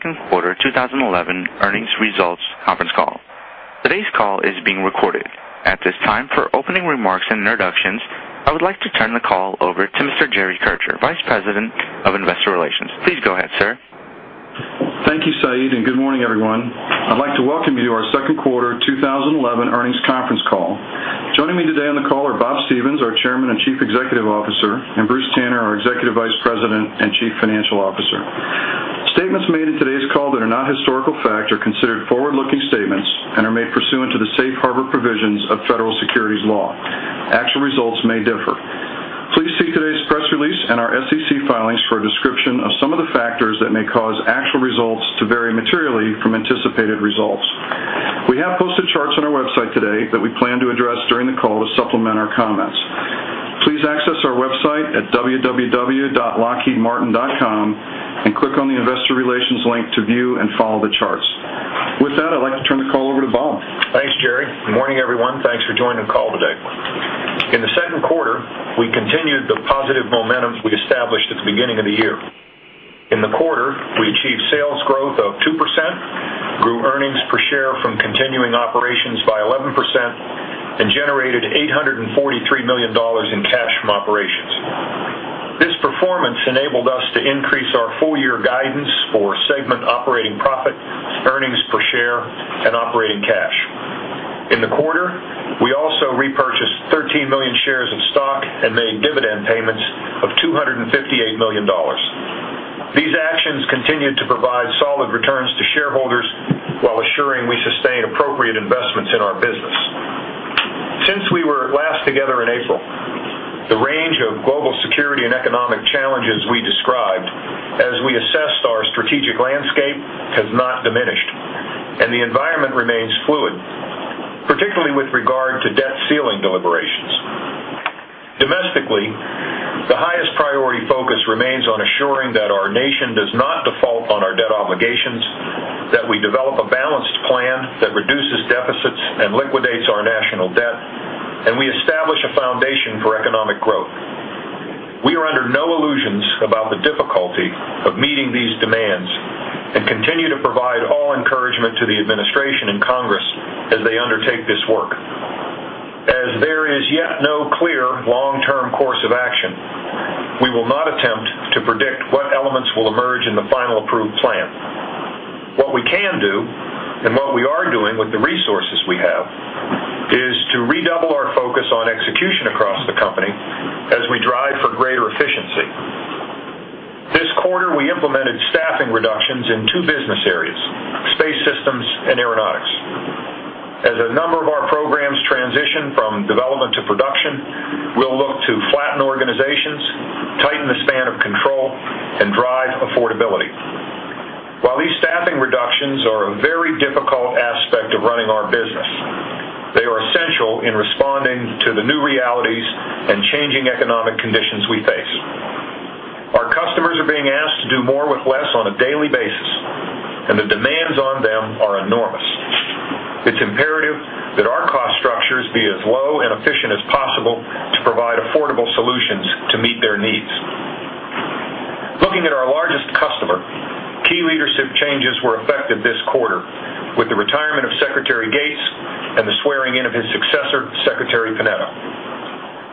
Second Quarter 2011 Earnings Results Conference Call. Today's call is being recorded. At this time, for opening remarks and introductions, I would like to turn the call over to Mr. Jerry Kircher, Vice President of Investor Relations. Please go ahead, sir. Thank you, Said, and good morning, everyone. I'd like to welcome you to our Second Quarter 2011 Earnings Conference Call. Joining me today on the call are Bob Stevens, our Chairman and Chief Executive Officer, and Bruce Tanner, our Executive Vice President and Chief Financial Officer. Statements made in today's call that are not historical fact are considered forward-looking statements and are made pursuant to the safe harbor provisions of Federal Securities Law. Actual results may differ. Please see today's press release and our SEC filings for a description of some of the factors that may cause actual results to vary materially from anticipated results. We have posted charts on our website today that we plan to address during the call to supplement our comments. Please access our website at www.lockheedmartin.com and click on the Investor Relations link to view and follow the charts. With that, I'd like to turn the call over to Bob. Thanks, Jerry. Morning, everyone. Thanks for joining the call today. In the second quarter, we continued the positive momentum we established at the beginning of the year. In the quarter, we achieved sales growth of 2%, grew earnings per share from continuing operations by 11%, and generated $843 million in cash from operations. This performance enabled us to increase our full-year guidance for segment operating profit, earnings per share, and operating cash. In the quarter, we also repurchased 13 million shares of stock and made dividend payments of $258 million. These actions continued to provide solid returns to shareholders while assuring we sustained appropriate investments in our business. Since we were last together in April, the range of global security and economic challenges we described as we assessed our strategic landscape has not diminished, and the environment remains fluid, particularly with regard to debt ceiling deliberations. Domestically, the highest priority focus remains on assuring that our nation does not default on our debt obligations, that we develop a balanced plan that reduces deficits and liquidates our national debt, and we establish a foundation for economic growth. We are under no illusions about the difficulty of meeting these demands and continue to provide all encouragement to the administration and Congress as they undertake this work. As there is yet no clear long-term course of action, we will not attempt to predict what elements will emerge in the final approved plan. What we can do and what we are doing with the resources we have is to redouble our focus on execution across the company as we drive for greater efficiency. This quarter, we implemented staffing reductions in two business areas, Space Systems and Aeronautics. As a number of our programs transition from development to production, we'll look to flatten organizations, tighten the span of control, and drive affordability. While these staffing reductions are a very difficult aspect of running our business, they are essential in responding to the new realities and changing economic conditions we face. Our customers are being asked to do more with less on a daily basis, and the demands on them are enormous. It's imperative that our cost structures, be as low and efficient as possible, provide affordable solutions to meet their needs. Looking at our largest customer, key leadership changes were effective this quarter with the retirement of Secretary Gates and the swearing-in of his successor, Secretary Panetta.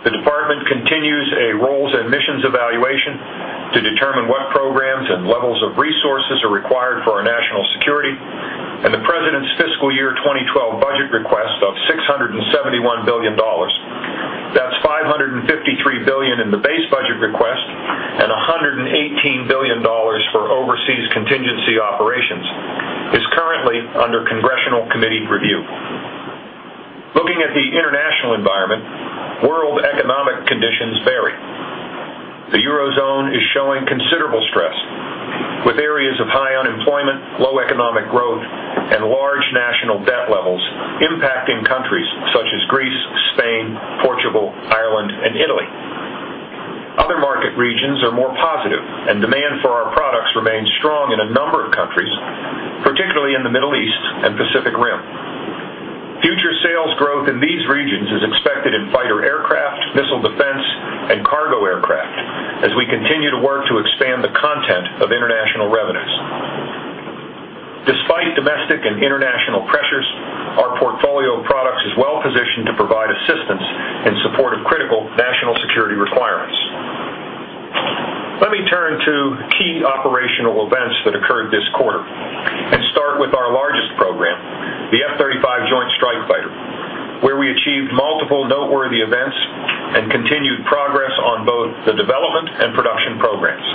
The department continues a roles and missions evaluation to determine what programs and levels of resources are required for our national security, and the President's fiscal year 2012 budget request of $671 billion, that's $553 billion in the base budget request and $118 billion for overseas contingency operations, is currently under Congressional Committee review. Looking at the international environment, world economic conditions vary. The Eurozone is showing considerable stress with areas of high unemployment, low economic growth, and large national debt levels impacting countries such as Greece, Spain, Portugal, Ireland, and Italy. Other market regions are more positive, and demand for our products remains strong in a number of countries, particularly in the Middle East and Pacific Rim. Future sales growth in these regions is expected in fighter aircraft, missile defense, and cargo aircraft as we continue to work to expand the content of international revenues. Despite domestic and international pressures, our portfolio of products is well-positioned to provide assistance and support of critical national security requirements. Let me turn to key operational events that occurred this quarter. Let's start with our largest program, the F-35 Joint Strike Fighter, where we achieved multiple noteworthy events and continued progress on both the development and production programs.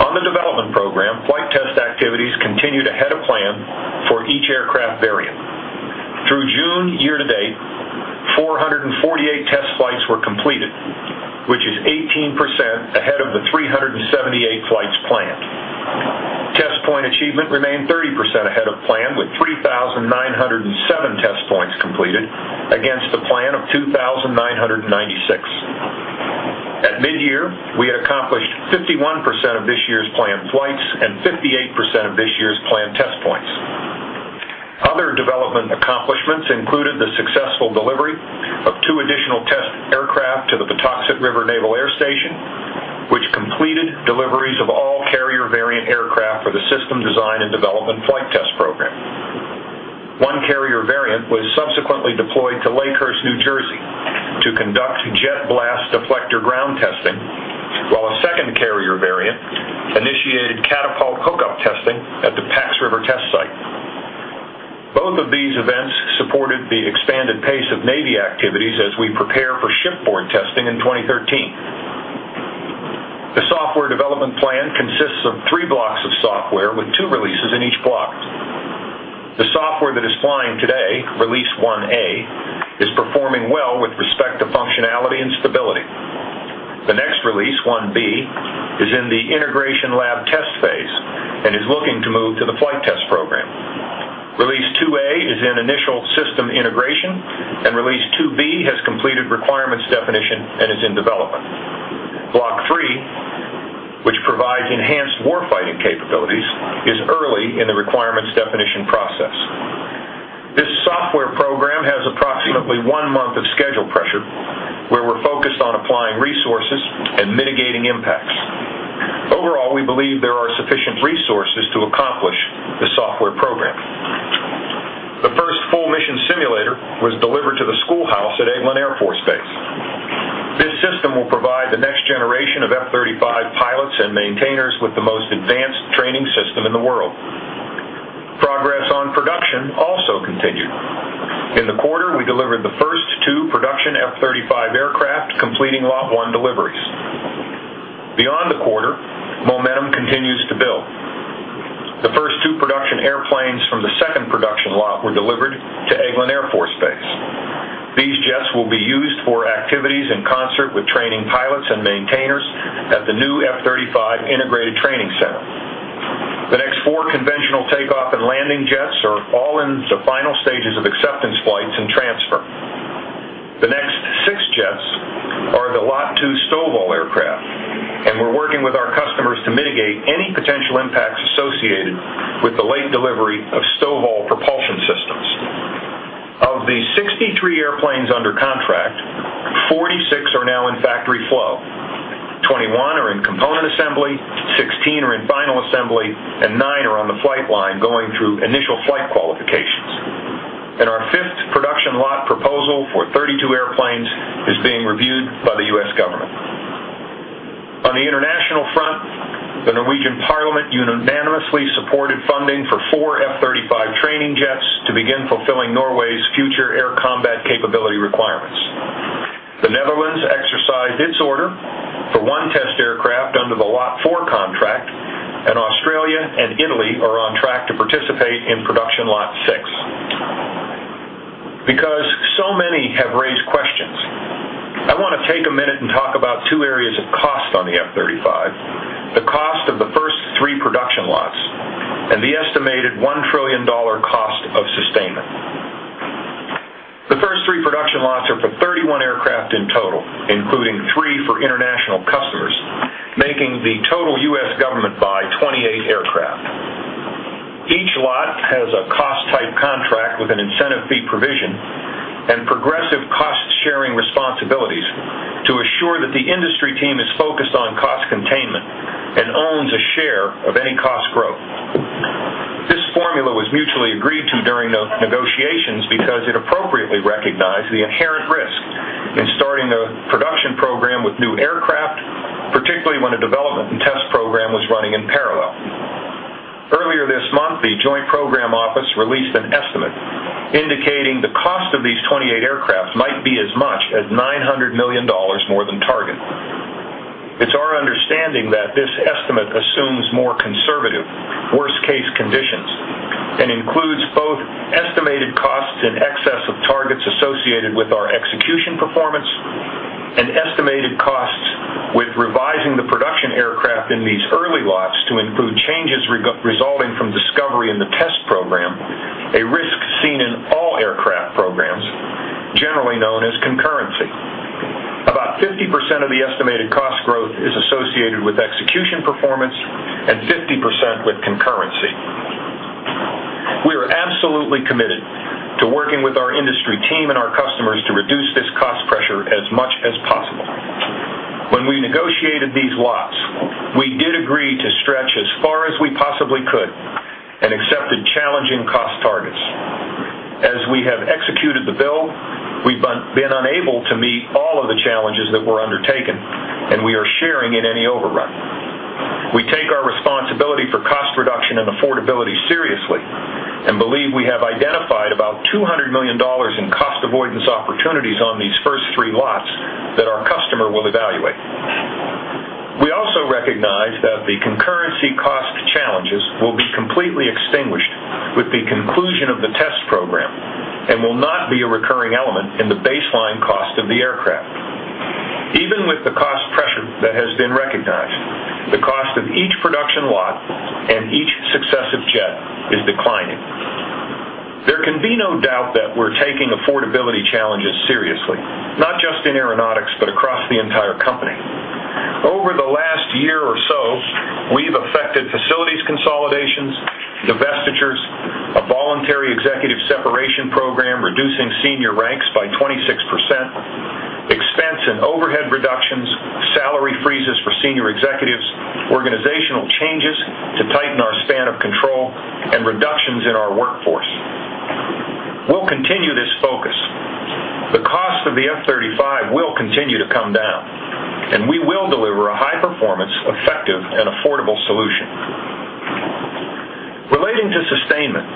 On the development program, flight test activities continued ahead of plan for each aircraft variant. Through June year-to-date, 448 test flights were completed, which is 18% ahead of the 378 flights planned. Test point achievement remained 30% ahead of plan, with 3,907 test points completed against a plan of 2,996. At mid-year, we had accomplished 51% of this year's planned flights and 58% of this year's planned test points. Other development accomplishments included the successful delivery of two additional test aircraft to the Patuxent River Naval Air Station, which completed deliveries of all carrier variant aircraft for the System Design and Development Flight Test Program. One carrier variant was subsequently deployed to Lakehurst, New Jersey, to conduct jet blast deflector ground testing, while a second carrier variant initiated catapult cook-off testing at the Pax River test site. Both of these events supported the expanded pace of Navy activities as we prepare for shipboard testing in 2013. The software development plan consists of three blocks of software with two releases in each block. The software that is flying today, Release 1A, is performing well with respect to functionality and stability. The next release, 1B, is in the integration lab test phase and is looking to move to the flight test program. Release 2A is in initial system integration, and Release 2B has completed requirements definition and is in development. Block 3, which provides enhanced warfighting capabilities, is early in the requirements definition process. This software program has approximately one month of schedule pressure, where we're focused on applying resources and mitigating impacts. Overall, we believe there are sufficient resources to accomplish the software program. The first full mission simulator was delivered to the schoolhouse at Eglin Air Force Base. This system will provide the next generation of F-35 pilots and maintainers with the most advanced training system in the world. Progress on production also continued. In the quarter, we delivered the first two production F-35 aircraft, completing lot one delivery. Beyond the quarter, momentum continues to build. The first two production airplanes from the second production lot were delivered to Eglin Air Force Base. These jets will be used for activities in concert with training pilots and maintainers at the new F-35 Integrated Training Center. The next four conventional takeoff and landing jets are all in the final stages of acceptance flights and transfer. The next six jets are the lot two STOVL aircraft, and we're working with our customers to mitigate any potential impacts associated with the late delivery of STOVL propulsion systems. Of the 63 airplanes under contract, 46 are now in factory flow. 21 are in component assembly, 16 are in final assembly, and nine are on the flight line going through initial flight qualifications. Our fifth production lot proposal for 32 airplanes is being reviewed by the U.S. government. On the international front, the Norwegian Parliament unanimously supported funding for four F-35 training jets to begin fulfilling Norway's future air combat capability requirements. The Netherlands exercised its order for one test aircraft under the lot four contract, and Australia and Italy are on track to participate in production lot six. Because so many have raised questions, I want to take a minute and talk about two areas of cost on the F-35: the cost of the first three production lots and the estimated $1 trillion cost of sustainment. The first three production lots are for 31 aircraft in total, including three for international customers, making the total U.S. government buy 28 aircraft. Each lot has a cost-type contract with an incentive fee provision and progressive cost-sharing responsibilities to assure that the industry team is focused on cost containment and owns a share of any cost growth. This formula was mutually agreed to during negotiations because it appropriately recognized the inherent risk in starting a production program with new aircraft, particularly when a development and test program was running in parallel. Earlier this month, the Joint Program Office released an estimate indicating the cost of these 28 aircraft might be as much as $900 million more than target. It's our understanding that this estimate assumes more conservative worst-case conditions and includes both estimated costs in excess of targets associated with our execution performance and estimated costs with revising the production aircraft in these early lots to include changes resulting from discovery in the test program, a risk seen in all aircraft programs, generally known as concurrency. About 50% of the estimated cost growth is associated with execution performance and 50% with concurrency. We are absolutely committed to working with our industry team and our customers to reduce this cost pressure as much as possible. When we negotiated these lots, we did agree to stretch as far as we possibly could and accepted challenging cost targets. As we have executed the bill, we've been unable to meet all of the challenges that were undertaken, and we are sharing in any overrun. We take our responsibility for cost reduction and affordability seriously and believe we have identified about $200 million in cost avoidance opportunities on these first three lots that our customer will evaluate. We also recognize that the concurrency cost challenges will be completely extinguished with the conclusion of the test program and will not be a recurring element in the baseline cost of the aircraft. Even with the cost pressure that has been recognized, the cost of each production lot and each successive jet is declining. There can be no doubt that we're taking affordability challenges seriously, not just in Aeronautics but across the entire company. Over the last year or so, we've effected facilities consolidations, divestitures, a voluntary executive separation program reducing senior ranks by 26%, expense and overhead reductions, salary freezes for senior executives, organizational changes to tighten our span of control, and reductions in our workforce. We'll continue this focus. The cost of the F-35 will continue to come down, and we will deliver a high-performance, effective, and affordable solution. Relating to sustainment,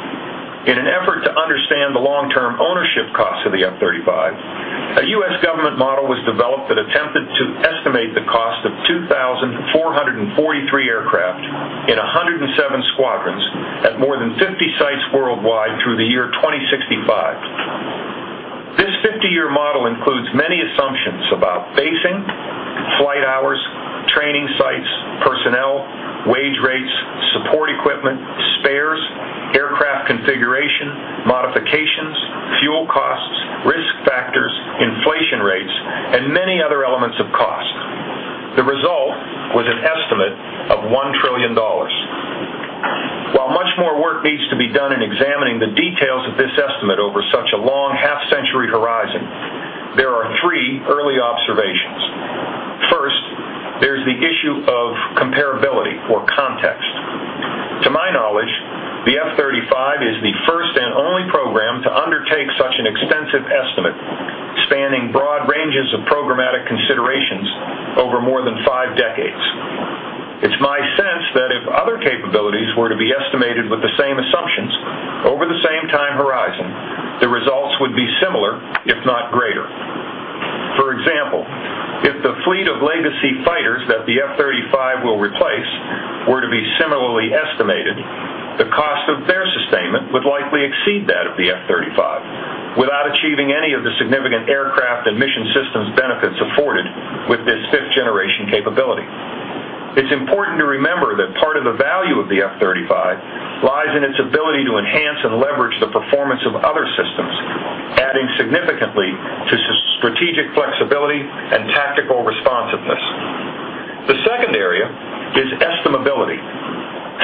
in an effort to understand the long-term ownership cost of the F-35, a U.S. government model was developed that attempted to estimate the cost of 2,443 aircraft in 107 squadrons at more than 50 sites worldwide through the year 2065. This 50-year model includes many assumptions about basing, flight hours, training sites, personnel, wage rates, support equipment, spares, aircraft configuration, modifications, fuel costs, risk factors, inflation rates, and many other elements of cost. The result was an estimate of $1 trillion. While much more work needs to be done in examining the details of this estimate over such a long half-century horizon, there are three early observations. First, there's the issue of comparability or context. To my knowledge, the F-35 is the first and only program to undertake such an extensive estimate, spanning broad ranges of programmatic considerations over more than five decades. It's my sense that if other capabilities were to be estimated with the same assumptions over the same time horizon, the results would be similar, if not greater. For example, if the fleet of legacy fighters that the F-35 will replace were to be similarly estimated, the cost of their sustainment would likely exceed that of the F-35 without achieving any of the significant aircraft and mission systems benefits afforded with this fifth-generation capability. It's important to remember that part of the value of the F-35 lies in its ability to enhance and leverage the performance of other systems, adding significantly to strategic flexibility and tactical responsiveness. The second area is estimability.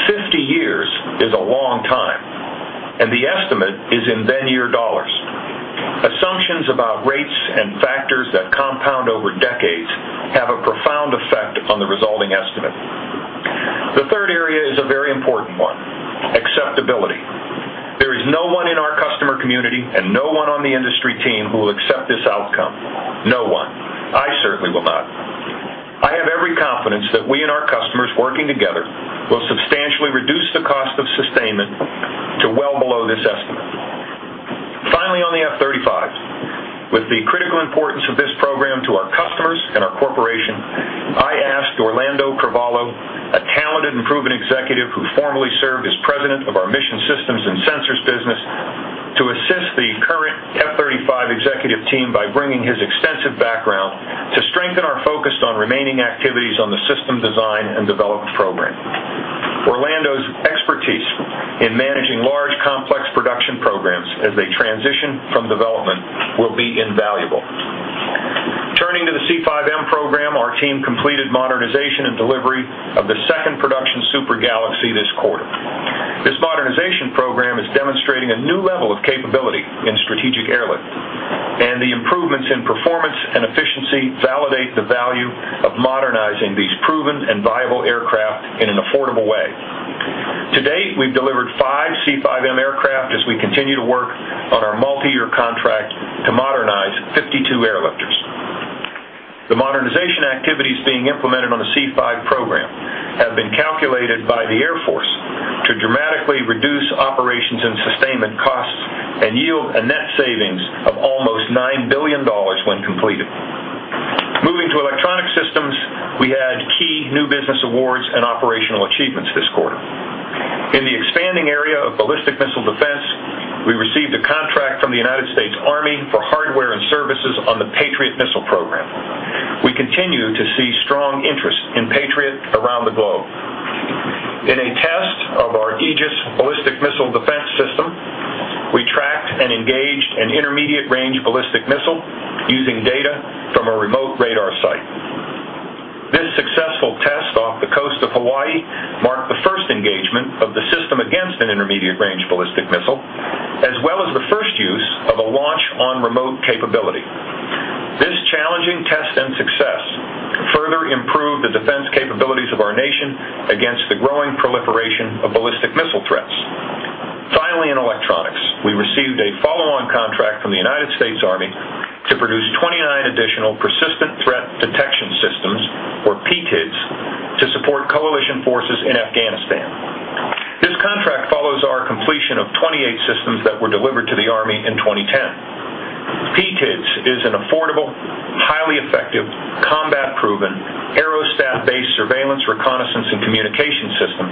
Fifty years is a long time, and the estimate is in then-year dollars. Assumptions about rates and factors that compound over decades have a profound effect on the resulting estimate. The third area is a very important one: acceptability. There is no one in our customer community and no one on the industry team who will accept this outcome. No one. I certainly will not. I have every confidence that we and our customers working together will substantially reduce the cost of sustainment to well below this estimate. Finally, on the F-35, with the critical importance of this program to our customers and our corporation, I asked Orlando Carvalho, a talented and proven executive who formerly served as President of our Mission Systems and Sensors business, to assist the current F-35 executive team by bringing his extensive background to strengthen our focus on remaining activities on the System Design and Development Program. Orlando's expertise in managing large, complex production programs as they transition from development will be invaluable. Turning to the C-5M program, our team completed modernization and delivery of the second production Super Galaxy this quarter. This modernization program is demonstrating a new level of capability in strategic airlift, and the improvements in performance and efficiency validate the value of modernizing these proven and viable aircraft in an affordable way. To date, we've delivered five C-5M aircraft as we continue to work on our multi-year contract to modernize 52 airlifters. The modernization activities being implemented on the C-5 program have been calculated by the Air Force to dramatically reduce operations and sustainment costs and yield a net savings of almost $9 billion when completed. Moving to Electronic Systems, we had key new business awards and operational achievements this quarter. In the expanding area of ballistic missile defense, we received a contract from the U.S. Army for hardware and services on the Patriot missile program. We continue to see strong interest in Patriot around the globe. In a test of our Aegis ballistic missile defense system, we tracked and engaged an intermediate-range ballistic missile using data from a remote radar site. This successful test off the coast of Hawaii marked the first engagement of the system against an intermediate-range ballistic missile, as well as the first use of a launch-on-remote capability. This challenging test and success further improved the defense capabilities of our nation against the growing proliferation of ballistic missile threats. Finally, in Electronics, we received a follow-on contract from the United States Army to produce 29 additional Persistent Threat Detection Systems, or PTIDS, to support coalition forces in Afghanistan. This contract follows our completion of 28 systems that were delivered to the Army in 2010. PTIDS is an affordable, highly effective, combat-proven, aerostat-based surveillance, reconnaissance, and communication system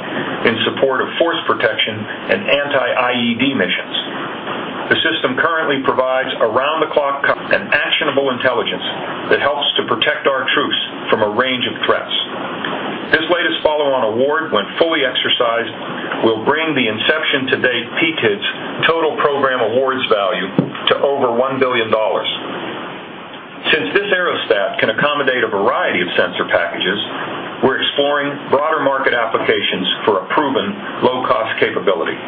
in support of force protection and anti-IED missions. The system currently provides around-the-clock and actionable intelligence that helps to protect our troops from a range of threats. This latest follow-on award, when fully exercised, will bring the inception-to-date PTIDS total program awards value to over $1 billion. Since this aerostat can accommodate a variety of sensor packages, we're exploring broader market applications for a proven low-cost capability.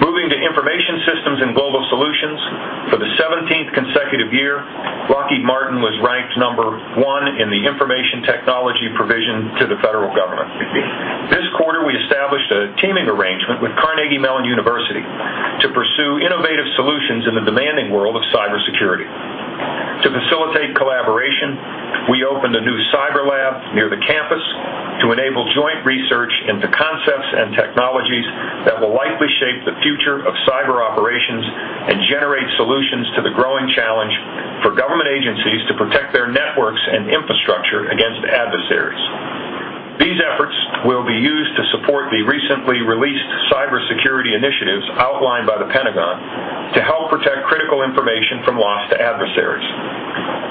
Moving to information systems and global solutions, for the 17th consecutive year, Lockheed Martin was ranked number one in the information technology provision to the federal government. This quarter, we established a teaming arrangement with Carnegie Mellon University to pursue innovative solutions in the demanding world of cybersecurity. To facilitate collaboration, we opened a new cyber lab near the campus to enable joint research into concepts and technologies that will likely shape the future of cyber operations and generate solutions to the growing challenge for government agencies to protect their networks and infrastructure against adversaries. These efforts will be used to support the recently released cybersecurity initiatives outlined by the Pentagon to help protect critical information from loss to adversaries.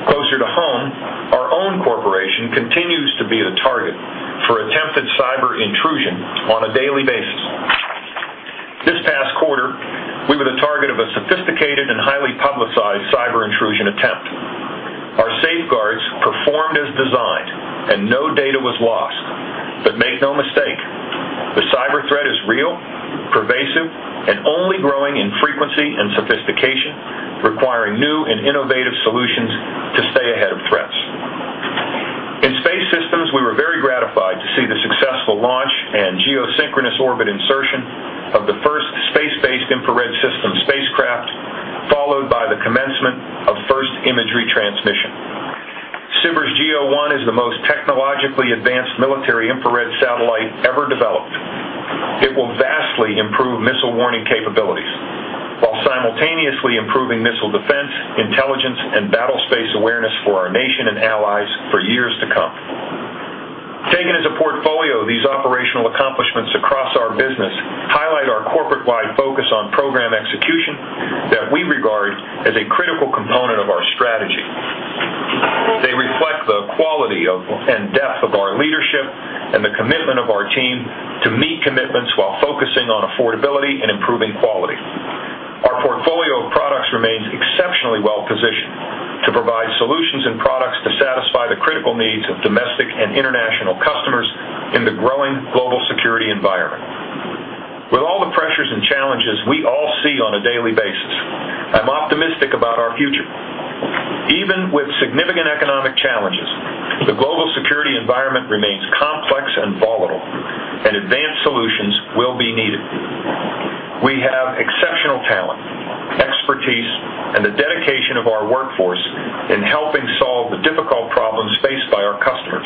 Closer to home, our own corporation continues to be the target for attempted cyber intrusion on a daily basis. This past quarter, we were the target of a sophisticated and highly publicized cyber intrusion attempt. Our safeguards performed as designed, and no data was lost. Make no mistake, the cyber threat is real, pervasive, and only growing in frequency and sophistication, requiring new and innovative solutions to stay ahead of threats. In Space Systems, we were very gratified to see the successful launch and geosynchronous orbit insertion of the first Space-Based Infrared System spacecraft, followed by the commencement of first imagery transmission. SBIRS GEO-1 is the most technologically advanced military infrared satellite ever developed. It will vastly improve missile warning capabilities, while simultaneously improving missile defense, intelligence, and battlespace awareness for our nation and allies for years to come. Taken as a portfolio, these operational accomplishments across our business highlight our corporate-wide focus on program execution that we regard as a critical component of our strategy. They reflect the quality and depth of our leadership and the commitment of our team to meet commitments while focusing on affordability and improving quality. Our portfolio of products remains exceptionally well-positioned to provide solutions and products to satisfy the critical needs of domestic and international customers in the growing global security environment. With all the pressures and challenges we all see on a daily basis, I'm optimistic about our future. Even with significant economic challenges, the global security environment remains complex and volatile, and advanced solutions will be needed. We have exceptional talent, expertise, and the dedication of our workforce in helping solve the difficult problems faced by our customers.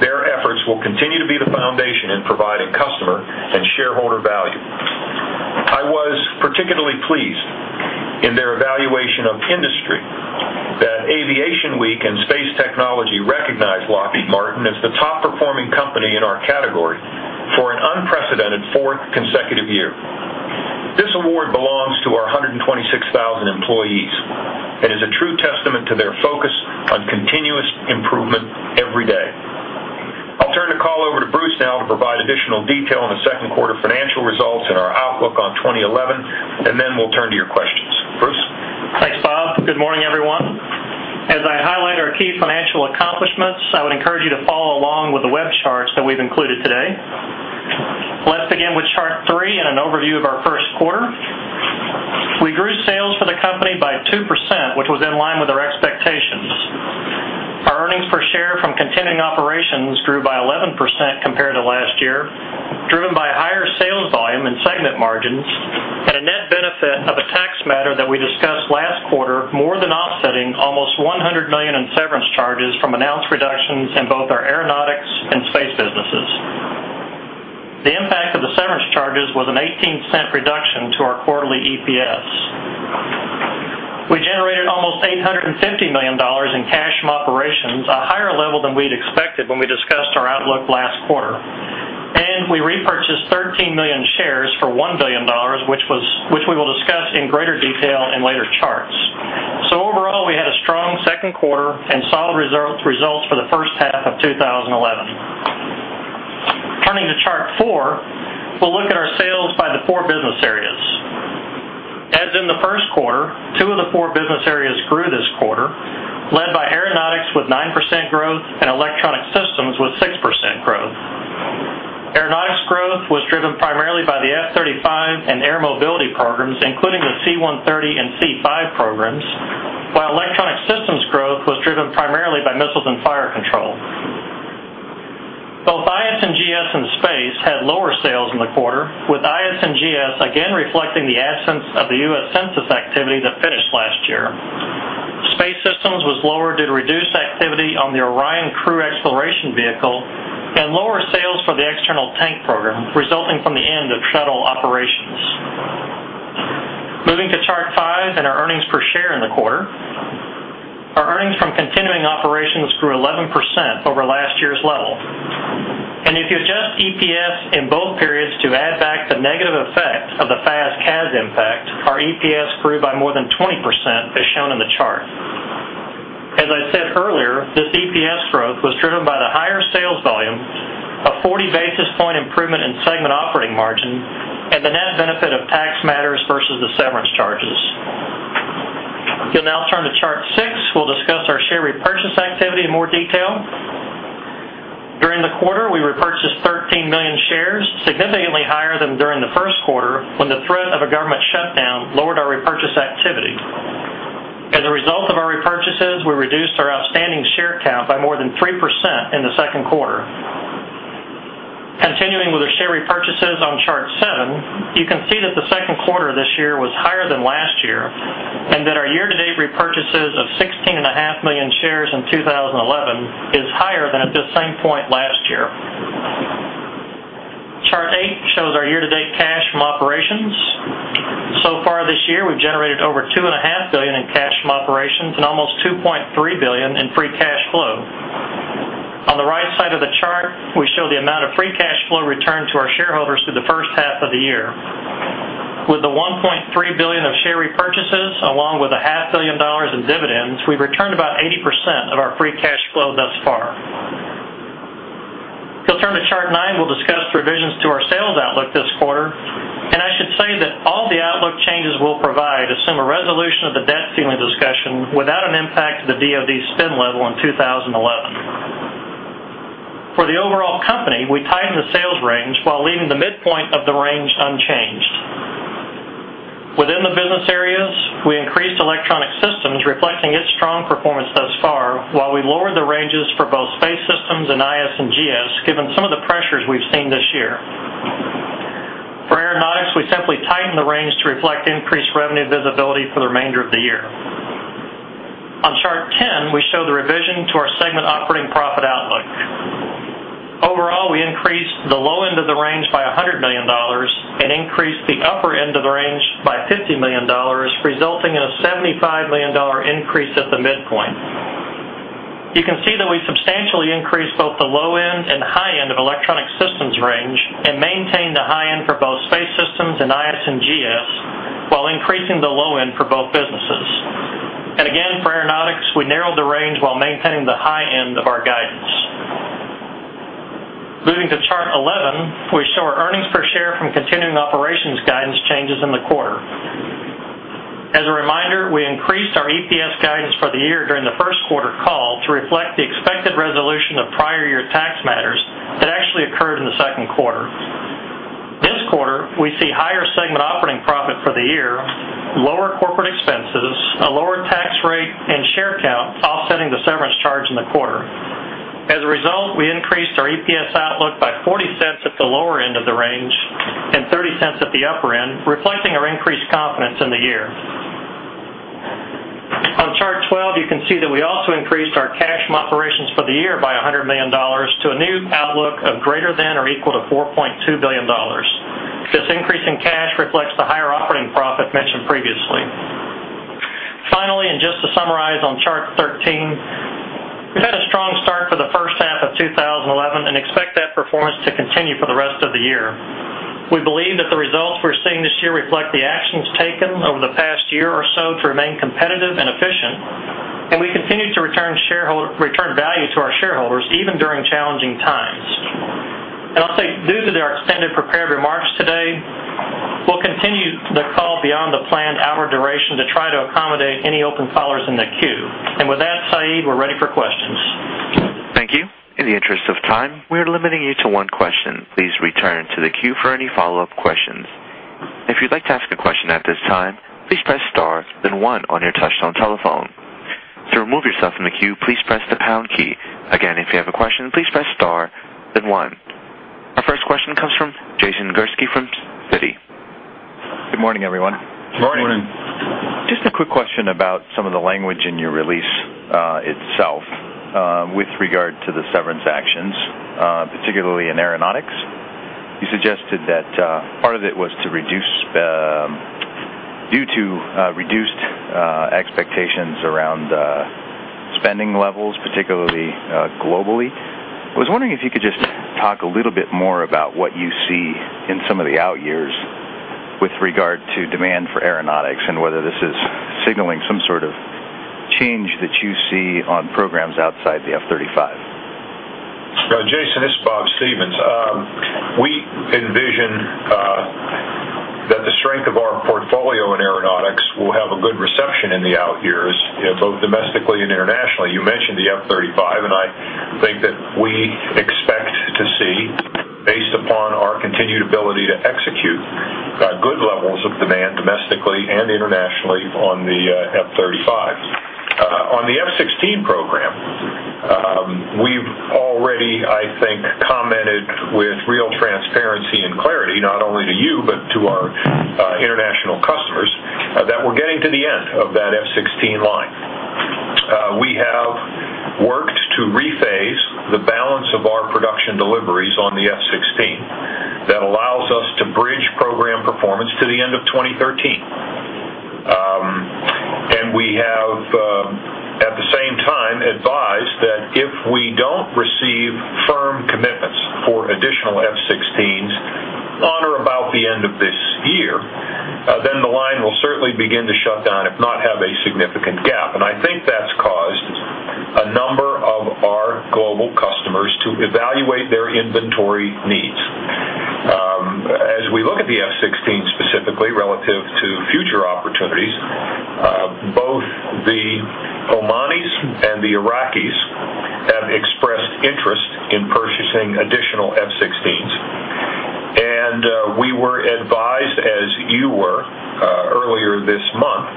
Their efforts will continue to be the foundation in providing customer and shareholder value. I was particularly pleased in their evaluation of industry that Aviation Week and Space Technology recognized Lockheed Martin as the top-performing company in our category for an unprecedented fourth consecutive year. This award belongs to our 126,000 employees and is a true testament to their focus on continuous improvement every day. I'll turn the call over to Bruce now to provide additional detail on the second quarter financial results and our outlook on 2011, and then we'll turn to your questions. Bruce? Thanks, Bob. Good morning, everyone. As I highlight our key financial accomplishments, I would encourage you to follow along with the web charts that we've included today. Let's begin with chart three and an overview of our first quarter. We grew sales for the company by 2%, which was in line with our expectations. Our earnings per share from continuing operations grew by 11% compared to last year, driven by higher sales volume and segment margins and a net benefit of a tax matter that we discussed last quarter, more than offsetting almost $100 million in severance charges from announced reductions in both our Aeronautics and Space businesses. The impact of the severance charges was an 18% reduction to our quarterly EPS. We generated almost $850 million in cash from operations, a higher level than we'd expected when we discussed our outlook last quarter, and we repurchased 13 million shares for $1 billion, which we will discuss in greater detail in later charts. Overall, we had a strong second quarter and solid results for the first half of 2011. Turning to chart four, we'll look at our sales by the four business areas. As in the first quarter, two of the four business areas grew this quarter, led by Aeronautics with 9% growth and Electronic Systems with 6% growth. Aeronautics growth was driven primarily by the F-35 and air mobility programs, including the C-130 and C-5 programs, while Electronic Systems growth was driven primarily by missiles and fire control. Both IS&GS and Space had lower sales in the quarter, with IS&GS again reflecting the absence of the U.S. census activity that finished last year. Space Systems was lower due to reduced activity on the Orion crew exploration vehicle and lower sales for the external tank program, resulting from the end of shuttle operations. Moving to chart five and our earnings per share in the quarter, our earnings from continuing operations grew 11% over last year's level. If you adjust EPS in both periods to add back the negative effect of the FAST-CAS impact, our EPS grew by more than 20% as shown in the chart. As I said earlier, this EPS growth was driven by the higher sales volume, a 40-basis point improvement in segment operating margin, and the net benefit of tax matters versus the severance charges. You'll now turn to chart six. We'll discuss our share repurchase activity in more detail. During the quarter, we repurchased 13 million shares, significantly higher than during the first quarter when the threat of a government shutdown lowered our repurchase activity. As a result of our repurchases, we reduced our outstanding share count by more than 3% in the second quarter. Continuing with our share repurchases on chart seven, you can see that the second quarter of this year was higher than last year and that our year-to-date repurchases of 16.5 million shares in 2011 is higher than at the same point last year. Chart eight shows our year-to-date cash from operations. So far this year, we've generated over $2.5 billion in cash from operations and almost $2.3 billion in free cash flow. On the right side of the chart, we show the amount of free cash flow returned to our shareholders through the first half of the year. With the $1.3 billion of share repurchases, along with a half billion dollars in dividends, we've returned about 80% of our free cash flow thus far. You'll turn to chart nine. We'll discuss revisions to our sales outlook this quarter, and I should say that all the outlook changes we'll provide assume a resolution of the debt ceiling discussion without an impact to the DOD STEM level in 2011. For the overall company, we tightened the sales range while leaving the midpoint of the range unchanged. Within the business areas, we increased Electronic Systems, reflecting its strong performance thus far, while we lowered the ranges for both Space Systems and IS&GS given some of the pressures we've seen this year. For Aeronautics, we simply tightened the range to reflect increased revenue visibility for the remainder of the year. On chart 10, we show the revision to our segment operating profit outlook. Overall, we increased the low end of the range by $100 million and increased the upper end of the range by $50 million, resulting in a $75 million increase at the midpoint. You can see that we substantially increased both the low end and high end of Electronic Systems range and maintained the high end for both Space Systems and IS&GS while increasing the low end for both businesses. For Aeronautics, we narrowed the range while maintaining the high end of our guidance. Moving to chart 11, we show our earnings per share from continuing operations guidance changes in the quarter. As a reminder, we increased our EPS guidance for the year during the first-quarter call to reflect the expected resolution of prior year tax matters that actually occurred in the second quarter. This quarter, we see higher segment operating profit for the year, lower corporate expenses, a lower tax rate, and share count offsetting the severance charge in the quarter. As a result, we increased our EPS outlook by $0.40 at the lower end of the range and $0.30 at the upper end, reflecting our increased confidence in the year. On chart 12, you can see that we also increased our cash from operations for the year by $100 million to a new outlook of greater than or equal to $4.2 billion. This increase in cash reflects the higher operating profit mentioned previously. Finally, just to summarize on chart 13, we've had a strong start for the first half of 2011 and expect that performance to continue for the rest of the year. We believe that the results we're seeing this year reflect the actions taken over the past year or so to remain competitive and efficient, and we continue to return value to our shareholders even during challenging times. Due to their extended prepared remarks today, we'll continue the call beyond the planned hour duration to try to accommodate any open callers in the queue. With that, Said, we're ready for questions. Thank you. In the interest of time, we are limiting you to one question. Please return to the queue for any follow-up questions. If you'd like to ask a question at this time, please press star then one on your touch-tone telephone. To remove yourself from the queue, please press the pound key. Again, if you have a question, please press star then one. Our first question comes from Jason Gursky from Citi. Good morning, everyone. Morning. Just a quick question about some of the language in your release itself, with regard to the severance actions, particularly in Aeronautics. You suggested that part of it was to reduce, due to reduced expectations around spending levels, particularly globally. I was wondering if you could just talk a little bit more about what you see in some of the out years with regard to demand for Aeronautics and whether this is signaling some sort of change that you see on programs outside the F-35. Jason, this is Bob Stevens. We envision that the strength of our portfolio in Aeronautics will have a good reception in the out years, both domestically and internationally. You mentioned the F-35, and I think that we expect to see, based upon our continued ability to execute, good levels of demand domestically and internationally on the F-35. On the F-16 program, we've already, I think, commented with real transparency and clarity, not only to you but to our international customers, that we're getting to the end of that F-16 line. We have worked to rephase the balance of our production deliveries on the F-16 that allows us to bridge program performance to the end of 2013. At the same time, we have advised that if we don't receive firm commitments for additional F-16s on or about the end of this year, then the line will certainly begin to shut down if not have a significant gap. I think that's caused a number of our global customers to evaluate their inventory needs. As we look at the F-16 specifically relative to future opportunities, both the Omanis and the Iraqis have expressed interest in purchasing additional F-16s. We were advised, as you were, earlier this month,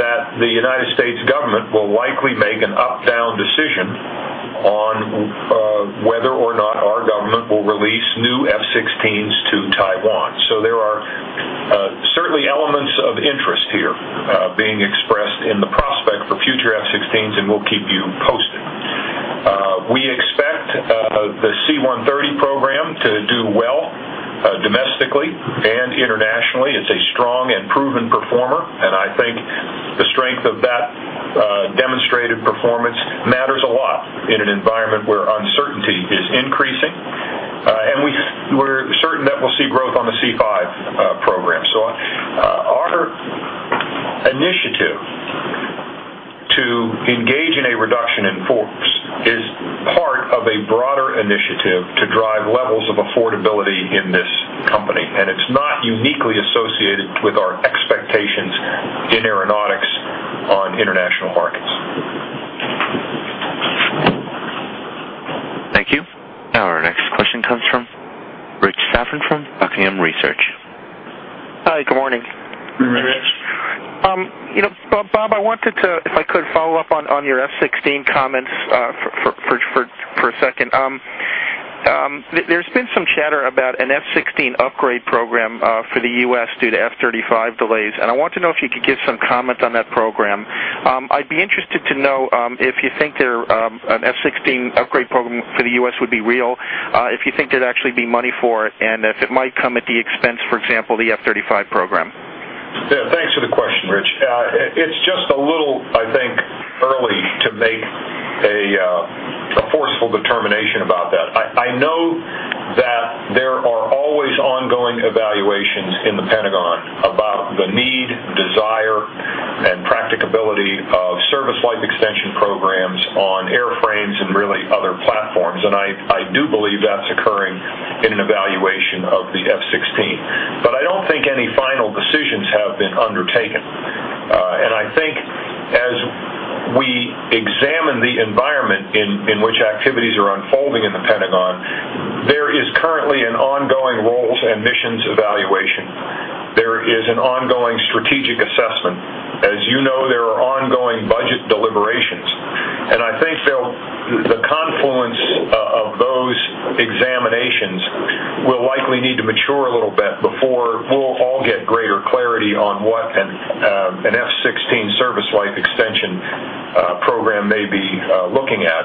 that the U.S. government will likely make an up-down decision on whether or not our government will release new F-16s to Taiwan. There are certainly elements of interest here, being expressed in the prospect for future F-16s, and we'll keep you posted. We expect the C-130 program to do well, domestically and internationally. It's a strong and proven performer, and I think the strength of that demonstrated performance matters a lot in an environment where uncertainty is increasing. We're certain that we'll see growth on the C-5 program. Our initiative to engage in a reduction in force is part of a broader initiative to drive levels of affordability in this company, and it's not uniquely associated with our expectations in Aeronautics on international markets. Thank you. Now our next question comes from Rich Safran from Buckingham Research. Hi, good morning. Good morning, Rich. Bob, I wanted to, if I could, follow up on your F-16 comments for a second. There's been some chatter about an F-16 upgrade program for the U.S. due to F-35 delays, and I want to know if you could give some comment on that program. I'd be interested to know if you think an F-16 upgrade program for the U.S. would be real, if you think there'd actually be money for it, and if it might come at the expense, for example, of the F-35 program. Thanks for the question, Rich. It's just a little, I think, early to make an affordable determination about that. I know that there are always ongoing evaluations in the Pentagon about the need, desire, and practicability of service life extension programs on airframes and really other platforms, and I do believe that's occurring in an evaluation of the F-16. I don't think any final decisions have been undertaken. I think as we examine the environment in which activities are unfolding in the Pentagon, there is currently an ongoing roles and missions evaluation. There is an ongoing strategic assessment. As you know, there are ongoing budget deliberations, and I think the confluence of those examinations will likely need to mature a little bit before we'll all get greater clarity on what an F-16 service life extension program may be looking at.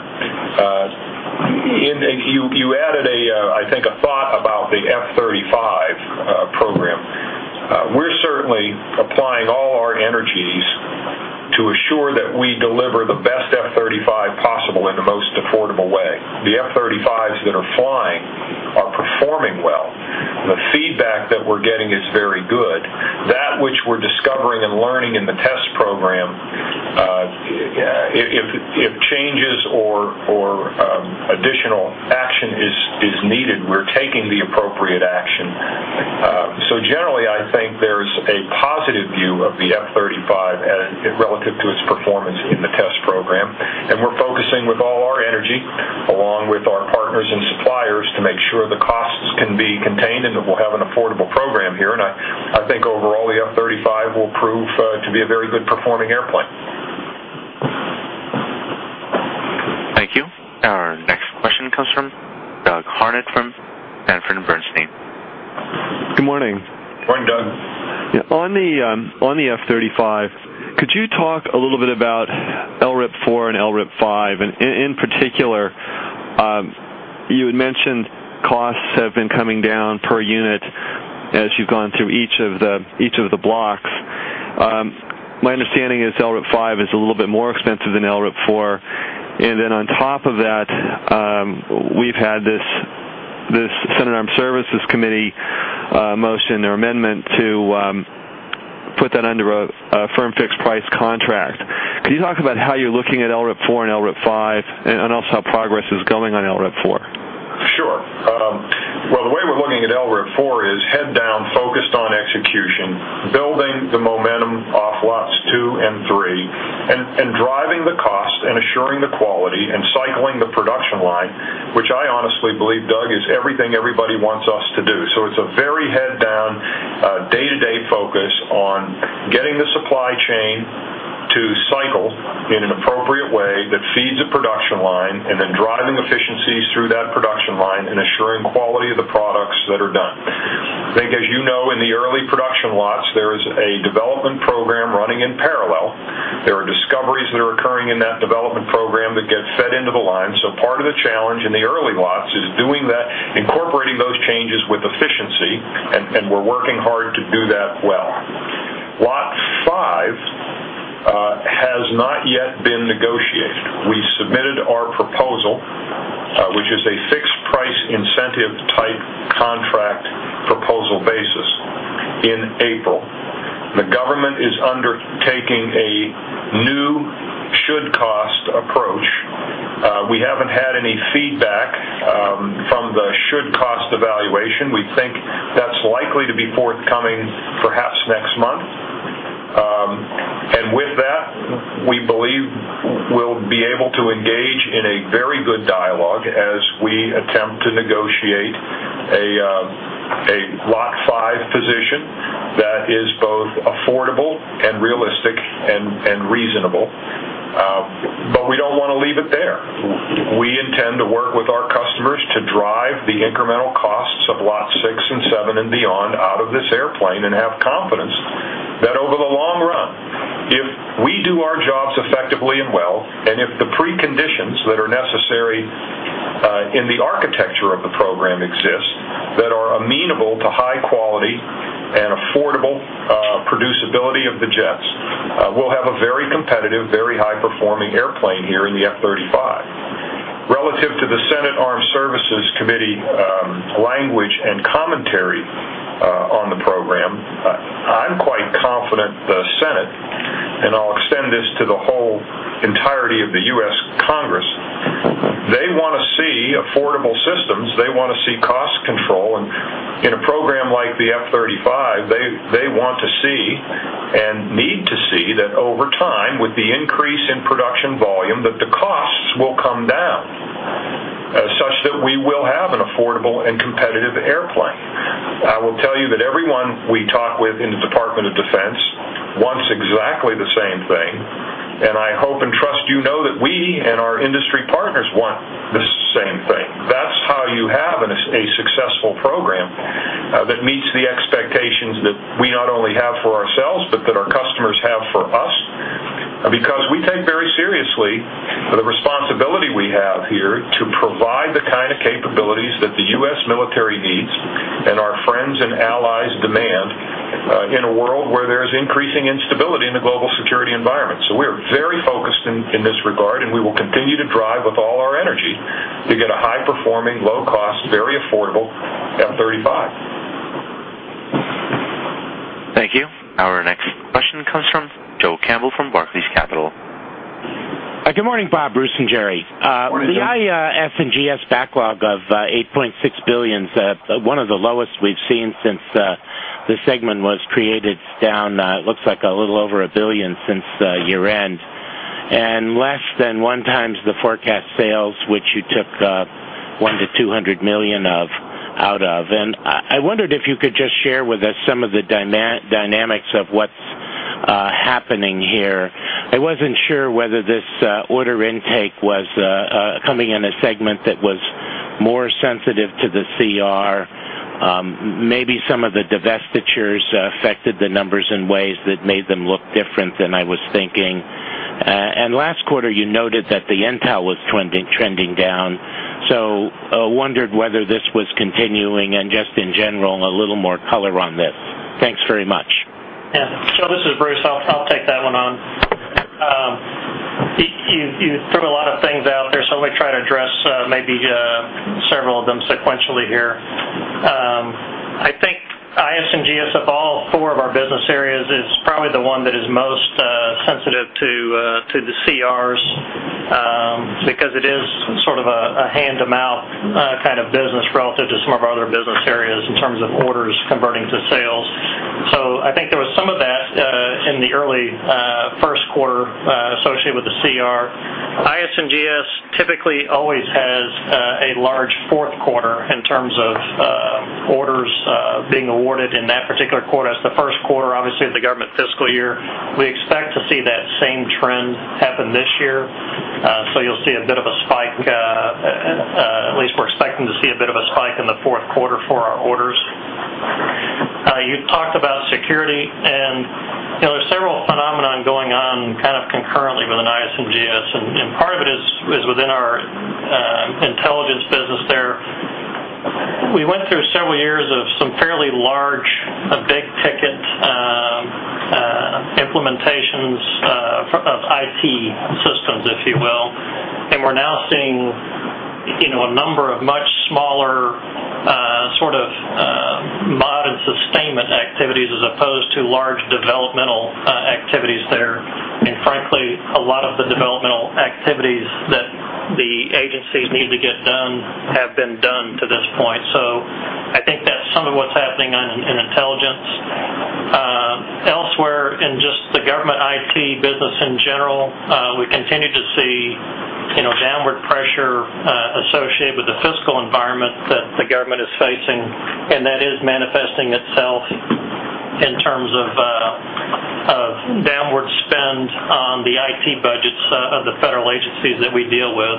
You added a thought about the F-35 program. We're certainly applying all our energies to assure that we deliver the best F-35 possible in the most affordable way. The F-35s that are flying are performing well. The feedback that we're getting is very good. That which we're discovering and learning in the test program, if changes or additional action is needed, we're taking the appropriate action. Generally, I think there's a positive view of the F-35 as relative to its performance in the test program, and we're focusing with all our energy, along with our partners and suppliers, to make sure the costs can be contained and that we'll have an affordable program here. I think overall the F-35 will prove to be a very good performing airplane. Thank you. Our next question comes from Doug Harned from Bernstein. Good morning. Morning, Doug. Yeah. On the F-35, could you talk a little bit about LRIP-4 and LRIP-5? In particular, you had mentioned costs have been coming down per unit as you've gone through each of the blocks. My understanding is LRIP-5 is a little bit more expensive than LRIP-4, and then on top of that, we've had this Senate Armed Services Committee motion or amendment to put that under a firm fixed-price contract. Could you talk about how you're looking at LRIP-4 and LRIP-5 and also how progress is going on LRIP-4? Sure. The way we're looking at LRIP-4 is head down, focused on execution, building the momentum off lot two and three, and driving the cost and assuring the quality and cycling the production line, which I honestly believe, Doug, is everything everybody wants us to do. It's a very head down, day-to-day focus on getting the supply chain to cycle in an appropriate way that feeds the production line and then driving efficiencies through that production line and assuring quality of the products that are done. I think, as you know, in the early production lots, there is a development program running in parallel. There are discoveries that are occurring in that development program that get fed into the line. Part of the challenge in the early lots is doing that, incorporating those changes with efficiency, and we're working hard to do that well. Lot five has not yet been negotiated. We submitted our proposal, which is a fixed price incentive-type contract proposal basis in April. The government is undertaking a new should-cost approach. We haven't had any feedback from the should-cost evaluation. We think that's likely to be forthcoming perhaps next month. With that, we believe we'll be able to engage in a very good dialogue as we attempt to negotiate a lot five position that is both affordable and realistic and reasonable. We don't want to leave it there. We intend to work with our customers to drive the incremental costs of lots six and seven and beyond out of this airplane and have confidence that over the long run, if we do our jobs effectively and well, and if the preconditions that are necessary in the architecture of the program exist that are amenable to high quality and affordable producibility of the jets, we'll have a very competitive, very high-performing airplane here in the F-35. Relative to the Senate Armed Services Committee language and commentary on the program, I'm quite confident the Senate, and I'll extend this to the whole entirety of the U.S. Congress, they want to see affordable systems. They want to see cost control. In a program like the F-35, they want to see and need to see that over time, with the increase in production volume, the costs will come down, such that we will have an affordable and competitive airplane. I will tell you that everyone we talk with in the Department of Defense wants exactly the same thing, and I hope and trust you know that we and our industry partners want the same thing. That's how you have a successful program that meets the expectations that we not only have for ourselves but that our customers have for us, because we take very seriously the responsibility we have here to provide the kind of capabilities that the U.S. military needs and our friends and allies demand, in a world where there's increasing instability in the global security environment. We are very focused in this regard, and we will continue to drive with all our energy to get a high-performing, low-cost, very affordable F-35. Thank you. Our next question comes from Joe Campbell from Barclays Capital. Good morning, Bob, Bruce, and Jerry. Morning, sir. The IS&GS backlog of $8.6 billion is one of the lowest we've seen since the segment was created. It's down, it looks like, a little over $1 billion since the year-end and less than one times the forecast sales, which you took $100 million-$200 million out of. I wondered if you could just share with us some of the dynamics of what's happening here. I wasn't sure whether this order intake was coming in a segment that was more sensitive to the CR. Maybe some of the divestitures affected the numbers in ways that made them look different than I was thinking. Last quarter, you noted that the intel was trending down, so I wondered whether this was continuing and just in general, a little more color on this. Thanks very much. Yeah. This is Bruce. I'll take that one on. You threw a lot of things out there, so I'm going to try to address maybe several of them sequentially here. I think IS&GS of all four of our business areas is probably the one that is most sensitive to the CRs because it is sort of a hand-to-mouth kind of business relative to some of our other business areas in terms of orders converting to sales. I think there was some of that in the early first quarter associated with the CR. IS&GS typically always has a large fourth quarter in terms of orders being awarded in that particular quarter. That's the first quarter, obviously, of the government fiscal year. We expect to see that same trend happen this year. You'll see a bit of a spike, at least we're expecting to see a bit of a spike in the fourth quarter for our orders. You talked about security, and you know there's several phenomena going on kind of concurrently with an IS&GS, and part of it is within our intelligence business there. We went through several years of some fairly large, big-ticket implementations of IT systems, if you will, and we're now seeing a number of much smaller sort of modern sustainment activities as opposed to large developmental activities there. Frankly, a lot of the developmental activities that the agencies need to get done have been done to this point. I think that's some of what's happening in intelligence. Elsewhere, in just the government IT business in general, we continue to see downward pressure associated with the fiscal environment that the government is facing, and that is manifesting itself in terms of downward spend on the IT budgets of the federal agencies that we deal with.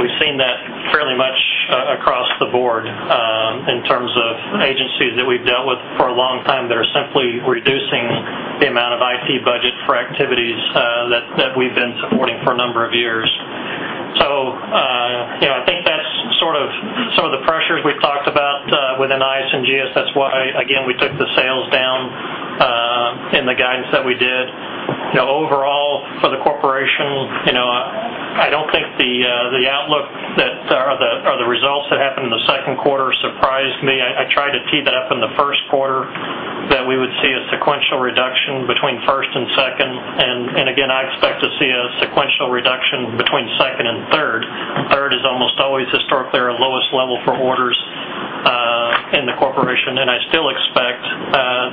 We've seen that fairly much across the board in terms of agencies that we've dealt with for a long time that are simply reducing the amount of IT budget for activities that we've been supporting for a number of years. I think that's sort of some of the pressures we talked about within IS&GS. That's why, again, we took the sales down in the guidance that we did. Overall, for the corporation, I don't think the outlook or the results that happened in the second quarter surprised me. I tried to tee that up in the first quarter that we would see a sequential reduction between first and second, and again, I expect to see a sequential reduction between second and third. Third is almost always historically our lowest level for orders in the corporation, and I still expect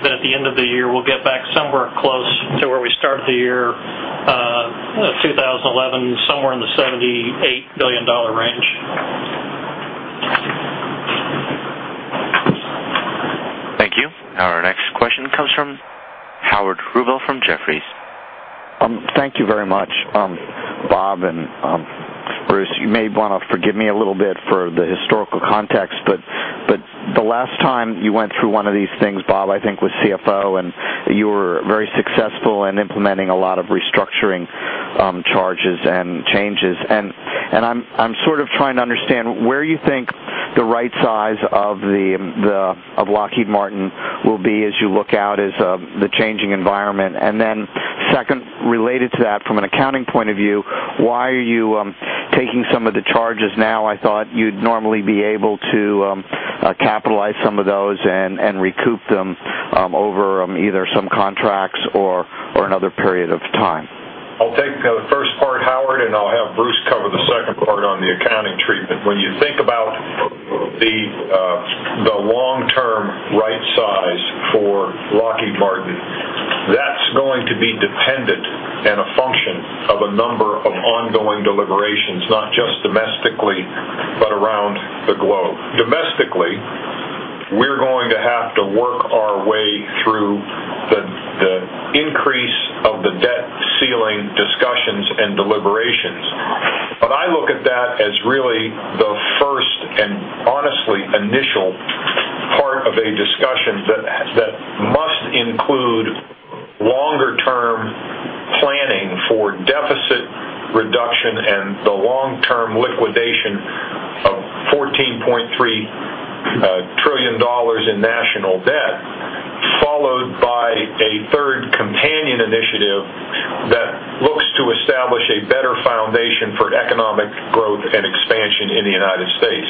that at the end of the year, we'll get back somewhere close to where we started the year of 2011, somewhere in the $78 billion range. Thank you. Our next question comes from Howard Rubel from Jefferies. Thank you very much, Bob. Bruce, you may want to forgive me a little bit for the historical context, but the last time you went through one of these things, Bob, I think with CFO, and you were very successful in implementing a lot of restructuring charges and changes. I'm sort of trying to understand where you think the right size of Lockheed Martin will be as you look out as the changing environment. Second, related to that, from an accounting point of view, why are you taking some of the charges now? I thought you'd normally be able to capitalize some of those and recoup them over either some contracts or another period of time. I'll take the first part, Howard, and I'll have Bruce cover the second part on the accounting treatment. When you think about the long-term right size for Lockheed Martin, that's going to be dependent and a function of a number of ongoing deliberations, not just domestically but around the globe. Domestically, we're going to have to work our way through the increase of the debt ceiling discussions and deliberations. I look at that as really the first and honestly initial part of a discussion that must include longer-term planning for deficit reduction and the long-term liquidation of $14.3 trillion in national debt, followed by a third companion initiative that looks to establish a better foundation for economic growth and expansion in the United States.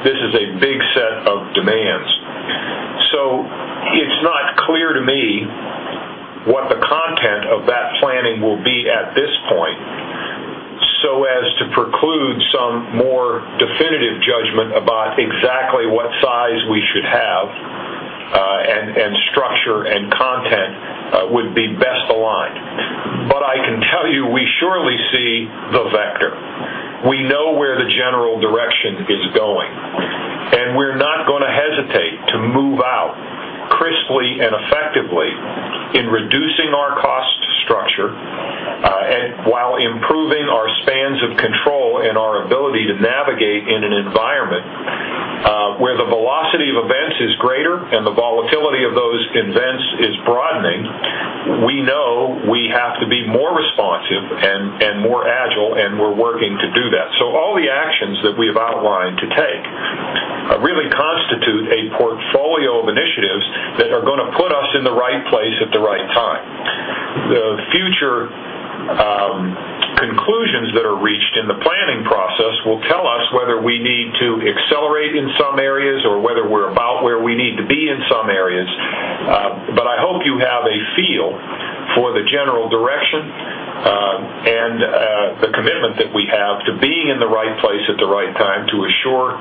This is a big set of demands. It's not clear to me what the content of that planning will be at this point so as to preclude some more definitive judgment about exactly what size we should have, and structure and content, would be best aligned. I can tell you we surely see the vector. We know where the general direction is going, and we're not going to hesitate to move out crisply and effectively in reducing our cost structure, while improving our spans of control and our ability to navigate in an environment where the velocity of events is greater and the volatility of those events is broadening. We know we have to be more responsive and more agile, and we're working to do that. All the actions that we've outlined to take really constitute a portfolio of initiatives that are going to put us in the right place at the right time. The future conclusions that are reached in the planning process will tell us whether we need to accelerate in some areas or whether we're about where we need to be in some areas. I hope you have a feel for the general direction, and the commitment that we have to being in the right place at the right time to assure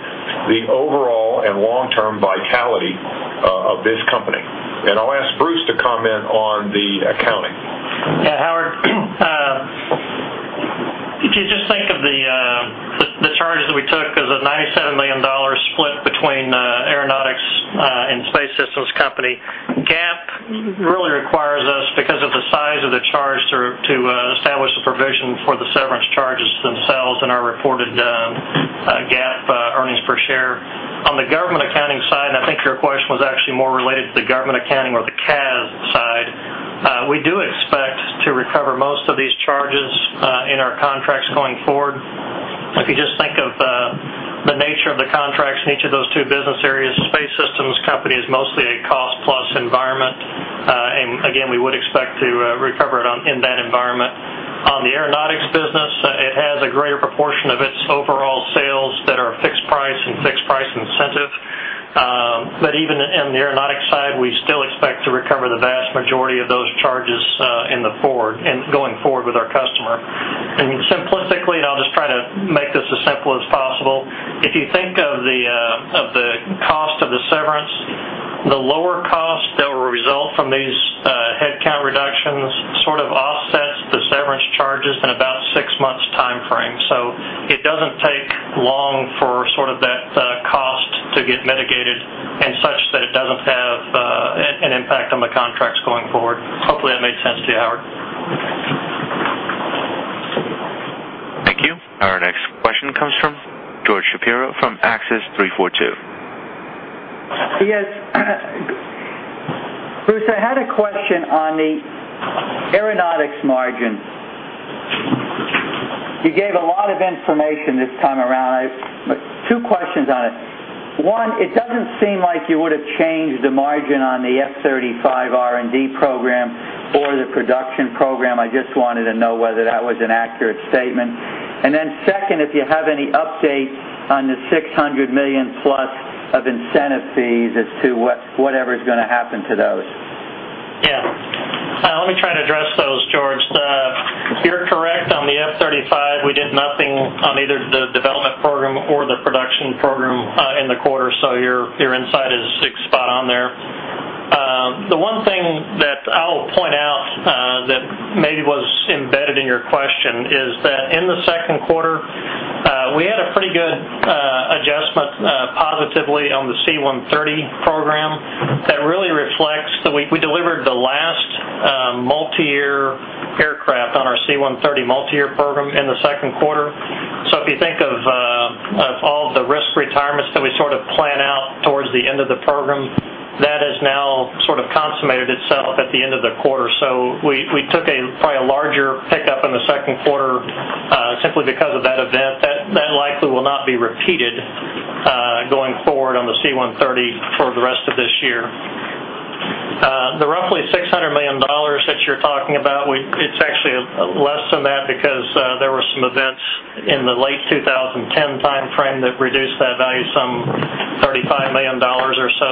the overall and long-term vitality of this company. I'll ask Bruce to comment on the accounting. Yeah, Howard, if you just think of the charges that we took, there's a $97 million split between Aeronautics and Space Systems company. GAAP really requires us, because of the size of the charge, to establish the provision for the severance charges themselves in our reported GAAP earnings per share. On the government accounting side, and I think your question was actually more related to the government accounting or the CAS side, we do expect to recover most of these charges in our contracts going forward. If you just think of the nature of the contracts in each of those two business areas, the Space Systems company is mostly a cost-plus environment, and again, we would expect to recover it in that environment. On the Aeronautics business, it has a greater proportion of its overall sales that are fixed price and fixed price incentive, but even in the Aeronautics side, we still expect to recover the vast majority of those charges in the forward and going forward with our customer. Simplistically, and I'll just try to make this as simple as possible, if you think of the cost of the severance, the lower cost that will result from these headcount reductions sort of offsets the severance charges in about a six-month time frame. It doesn't take long for that cost to get mitigated and such that it doesn't have an impact on the contracts going forward. Hopefully, that made sense to you, Howard. Thank you. Our next question comes from George Shapiro from Access342. Yes. Bruce, I had a question on the Aeronautics margin. You gave a lot of information this time around. I have two questions on it. One, it doesn't seem like you would have changed the margin on the F-35 R&D program or the production program. I just wanted to know whether that was an accurate statement. Second, if you have any update on the $600 million+ of incentive fees as to whatever is going to happen to those. Yeah. Hi. Let me try to address those, George. You're correct on the F-35. We did nothing on either the development program or the production program in the quarter, so your insight is spot on there. The one thing that I'll point out that maybe was embedded in your question is that in the second quarter, we had a pretty good adjustment positively on the C-130 program that really reflects that we delivered the last multi-year aircraft on our C-130 multi-year program in the second quarter. If you think of all of the risk retirements that we sort of plan out towards the end of the program, that has now sort of consummated itself at the end of the quarter. We took probably a larger pickup in the second quarter simply because of that event that likely will not be repeated going forward on the C-130 for the rest of this year. The roughly $600 million that you're talking about, it's actually less than that because there were some events in the late 2010 time frame that reduced that value some $35 million or so.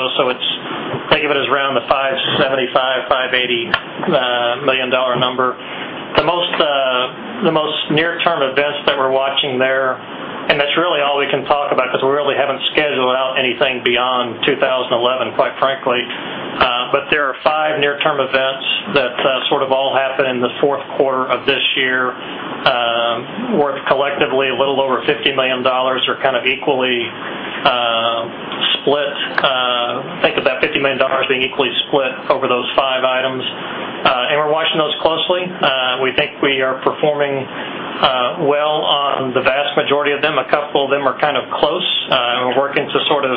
Think of it as around the $575 million, $580 million number. The most near-term events that we're watching there, and that's really all we can talk about because we really haven't scheduled out anything beyond 2011, quite frankly, but there are five near-term events that sort of all happened in the fourth quarter of this year. We're collectively a little over $50 million or kind of equally split. Think of that $50 million being equally split over those five items, and we're watching those closely. We think we are performing well on the vast majority of them. A couple of them are kind of close, and we're working to sort of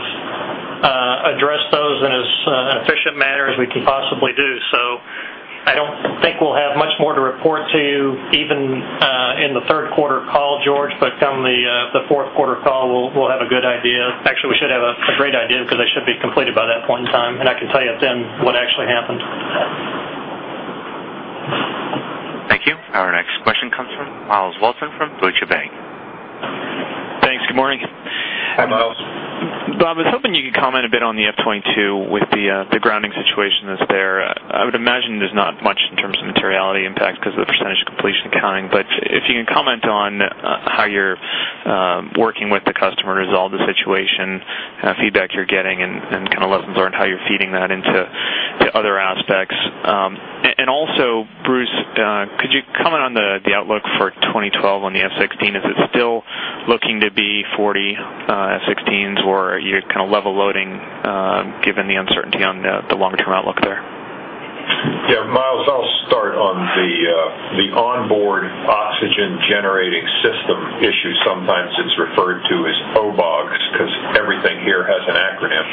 address those in as an efficient manner as we can possibly do. I don't think we'll have much more to report to you even in the third quarter call, George, but come the fourth quarter call, we'll have a good idea. Actually, we should have a great idea because they should be completed by that point in time, and I can tell you then what actually happened. Thank you. Our next question comes from Myles Walton from Deutsche Bank. Thanks. Good morning. Hi, Bob. Bob, I was hoping you could comment a bit on the F-22 with the grounding situation that's there. I would imagine there's not much in terms of materiality impact because of the percentage of completion accounting, but if you can comment on how you're working with the customer to resolve the situation, kind of feedback you're getting, and kind of lessons learned how you're feeding that into other aspects. Also, Bruce, could you comment on the outlook for 2012 on the F-16? Is it still looking to be 40 F-16s, or are you kind of level loading given the uncertainty on the longer-term outlook there? Yeah. Myles, I'll start on the onboard oxygen-generating system issue. Sometimes it's referred to as OBOGs because everything here has an acronym.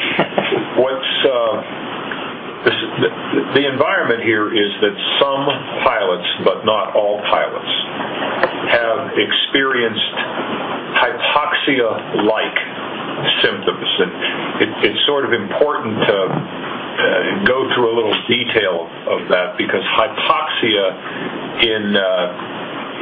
The environment here is that some pilots, but not all pilots, have experienced hypoxia-like symptoms, and it's sort of important to go through a little detail of that because hypoxia in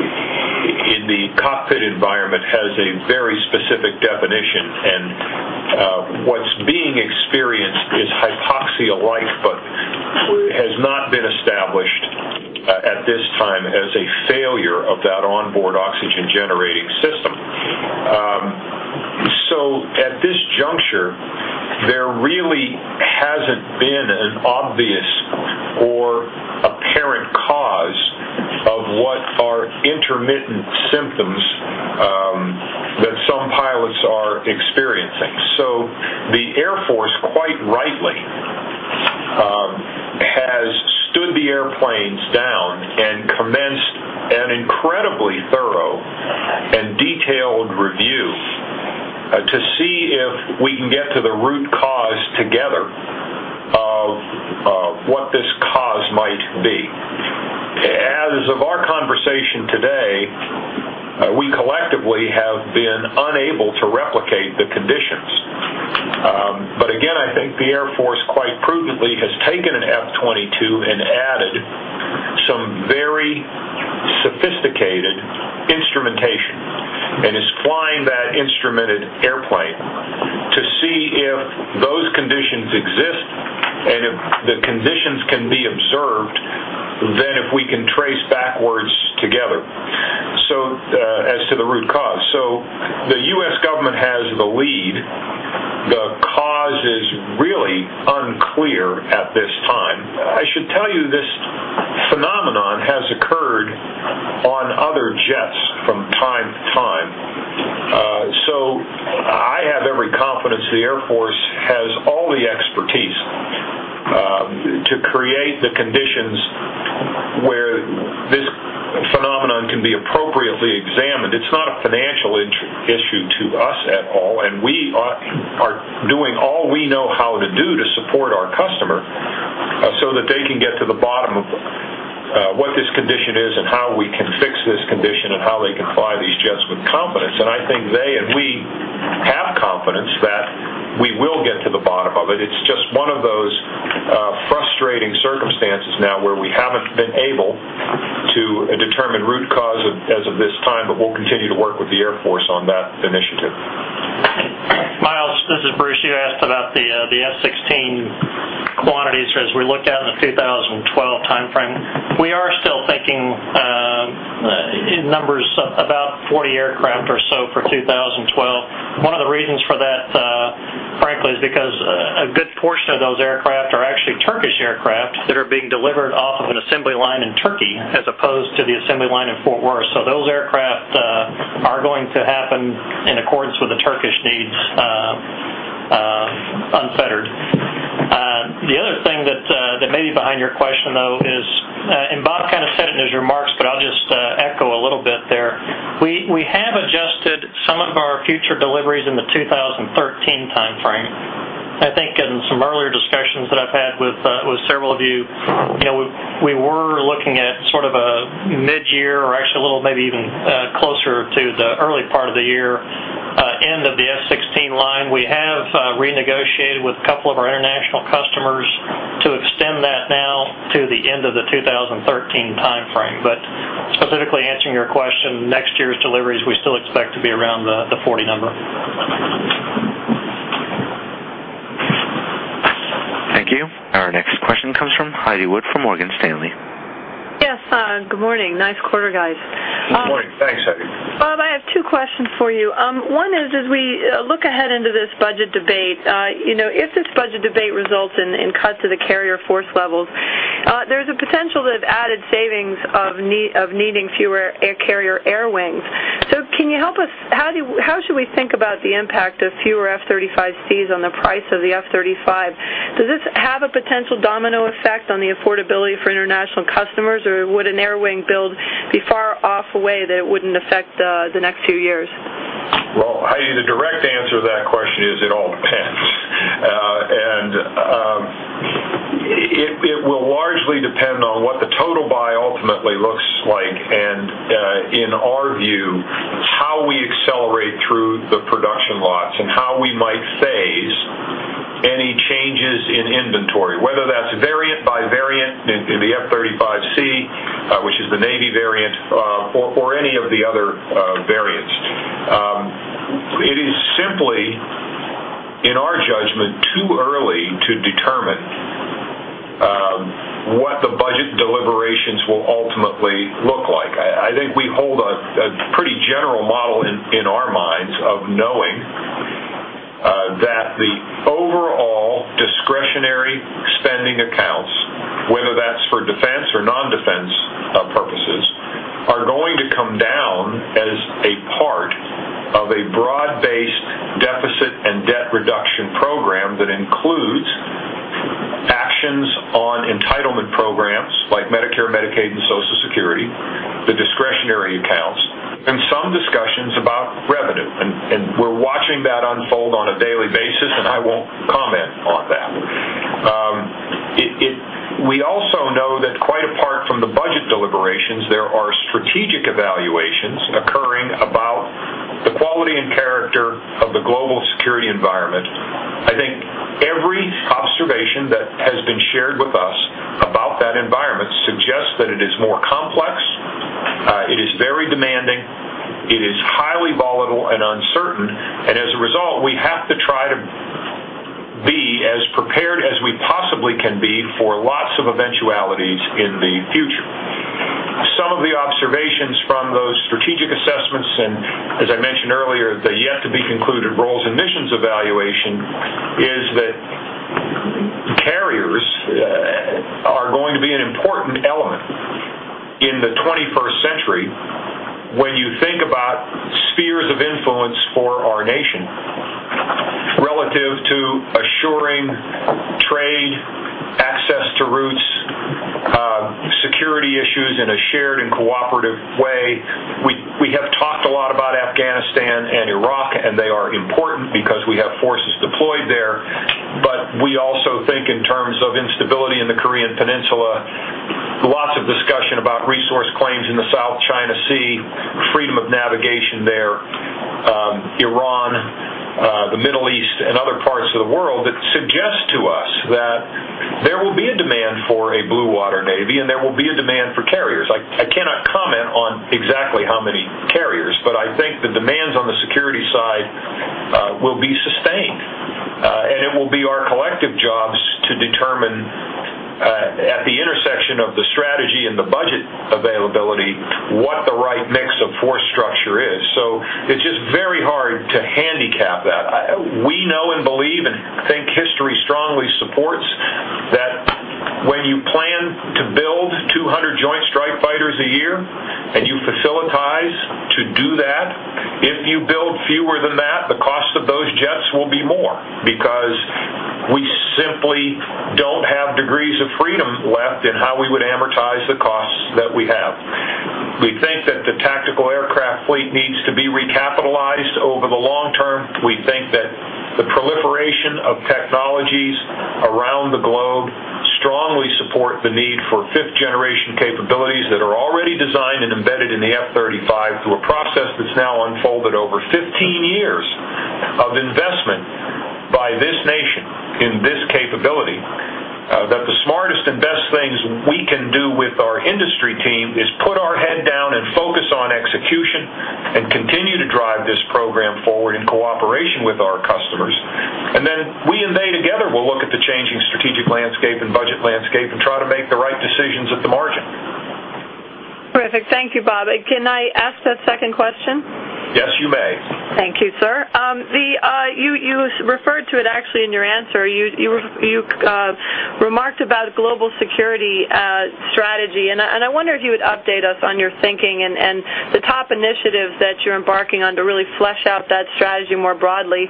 the cockpit environment has a very specific definition, and what's being experienced is hypoxia-like, but it has not been established at this time as a failure of that onboard oxygen-generating system. At this juncture, there really hasn't been an obvious or apparent cause of what are intermittent symptoms that some pilots are experiencing. The Air Force, quite rightly, has stood the airplanes down and commenced an incredibly thorough and detailed review to see if we can get to the root cause together of what this cause might be. As of our conversation today, we collectively have been unable to replicate the conditions. I think the Air Force quite prudently has taken an F-22 and added some very sophisticated instrumentation and is flying that instrumented airplane to see if those conditions exist, and if the conditions can be observed, then if we can trace backwards together as to the root cause. The U.S. government has the lead. The cause is really unclear at this time. I should tell you this phenomenon has occurred on other jets from time to time. I have every confidence the Air Force has all the expertise to create the conditions where this phenomenon can be appropriately examined. It's not a financial issue to us at all, and we are doing all we know how to do to support our customer so that they can get to the bottom of what this condition is and how we can fix this condition and how they can fly these jets with confidence. I think they and we have confidence that we will get to the bottom of it. It's just one of those frustrating circumstances now where we haven't been able to determine root cause as of this time, but we'll continue to work with the Air Force on that initiative. Myles, this is Bruce. You asked about the F-16 quantities as we looked at in the 2012 time frame. We are still thinking in numbers about 40 aircraft or so for 2012. One of the reasons for that, frankly, is because a good portion of those aircraft are actually Turkish aircraft that are being delivered off of an assembly line in Turkey as opposed to the assembly line in Fort Worth. Those aircraft are going to happen in accordance with the Turkish needs, unfettered. The other thing that may be behind your question, though, is, and Bob kind of said it in his remarks, but I'll just echo a little bit there. We have adjusted some of our future deliveries in the 2013 time frame. I think in some earlier discussions that I've had with several of you, you know, we were looking at sort of a mid-year or actually a little maybe even closer to the early part of the year, end of the F-16 line. We have renegotiated with a couple of our international customers to extend that now to the end of the 2013 time frame. Specifically answering your question, next year's deliveries, we still expect to be around the 40 number. Thank you. Our next question comes from Heidi Wood from Morgan Stanley. Yes. Good morning. Nice quarter, guys. Good morning. Thanks, Heidi. Bob, I have two questions for you. One is, as we look ahead into this budget debate, you know, if this budget debate results in cuts to the carrier force levels, there's a potential to added savings of needing fewer carrier airwings. Can you help us? How should we think about the impact of fewer F-35Cs on the price of the F-35? Does this have a potential domino effect on the affordability for international customers, or would an airwing build be far off a way that it wouldn't affect the next few years? Heidi, the direct answer to that question is it all depends. It will largely depend on what the total buy ultimately looks like, and in our view, how we accelerate through the production lots and how we might phase any changes in inventory, whether that's variant by variant in the F-35C, which is the Navy variant, or any of the other variants. It is simply, in our judgment, too early to determine what the budget deliberations will ultimately look like. I think we hold a pretty general model in our minds of knowing that the overall discretionary spending accounts, whether that's for defense or non-defense purposes, are going to come down as a part of a broad-based deficit and debt reduction program that includes actions on entitlement programs like Medicare, Medicaid, and Social Security, the discretionary accounts, and some discussions about revenue. We're watching that unfold on a daily basis, and I won't comment on that. We also know that quite apart from the budget deliberations, there are strategic evaluations occurring about quality and character of the global security environment. I think every observation that has been shared with us about that environment suggests that it is more complex. It is very demanding. It is highly volatile and uncertain. As a result, we have to try to be as prepared as we possibly can be for lots of eventualities in the future. Some of the observations from those strategic assessments and, as I mentioned earlier, the yet-to-be-concluded roles and missions evaluation is that carriers are going to be an important element in the 21st century when you think about spheres of influence for our nation relative to assuring trade, access to routes, security issues in a shared and cooperative way. We have talked a lot about Afghanistan and Iraq, and they are important because we have forces deployed there. We also think in terms of instability in the Korean Peninsula, lots of discussion about resource claims in the South China Sea, freedom of navigation there, Iran, the Middle East, and other parts of the world that suggest to us that there will be a demand for a blue-water navy, and there will be a demand for carriers. I cannot comment on exactly how many carriers, but I think the demands on the security side will be sustained. It will be our collective jobs to determine, at the intersection of the strategy and the budget availability, what the right mix of force structure is. It is just very hard to handicap that. We know and believe and think history strongly supports that when you plan to build 200 Joint Strike Fighters a year and you facilitate to do that and you build fewer than that, the cost of those jets will be more because we simply don't have degrees of freedom left in how we would amortize the cost that we have. We think that the tactical aircraft fleet needs to be recapitalized over the long term. We think that the proliferation of technologies around the globe strongly supports the need for fifth-generation capabilities that are already designed and embedded in the F-35 through a process that's now unfolded over 15 years of investment by this nation in this capability, that the smartest and best things we can do with our industry team is put our head down and focus on execution and continue to drive this program forward in cooperation with our customers. We and they together will look at the changing strategic landscape and budget landscape and try to make the right decisions at the margin. Terrific. Thank you, Bob. Can I ask that second question? Yes, you may. Thank you, sir. You referred to it actually in your answer. You remarked about global security, strategy, and I wonder if you would update us on your thinking and the top initiatives that you're embarking on to really flesh out that strategy more broadly.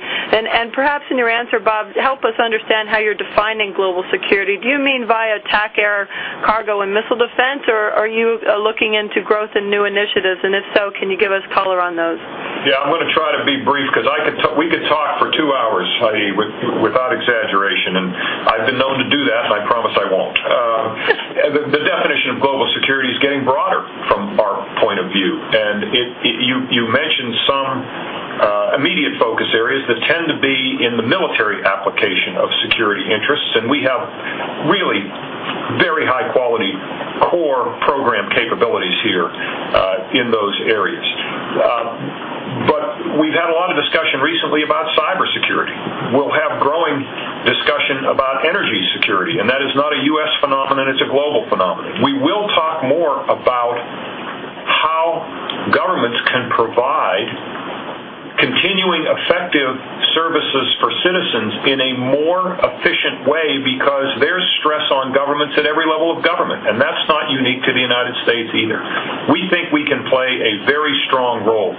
Perhaps in your answer, Bob, help us understand how you're defining global security. Do you mean via attack, air, cargo, and missile defense, or are you looking into growth and new initiatives? If so, can you give us color on those? Yeah. I'm going to try to be brief because we could talk for two hours, Heidi, without exaggeration, and I've been known to do that, and I promise I won't. The definition of global security is getting broader from our point of view, and you mentioned some immediate focus areas that tend to be in the military application of security interests, and we have really very high-quality core program capabilities here in those areas. We've had a lot of discussion recently about cybersecurity. We'll have growing discussion about energy security, and that is not a U.S. phenomenon. It's a global phenomenon. We will talk more about how governments can provide continuing effective services for citizens in a more efficient way because there's stress on governments at every level of government, and that's not unique to the United States either. We think we can play a very strong role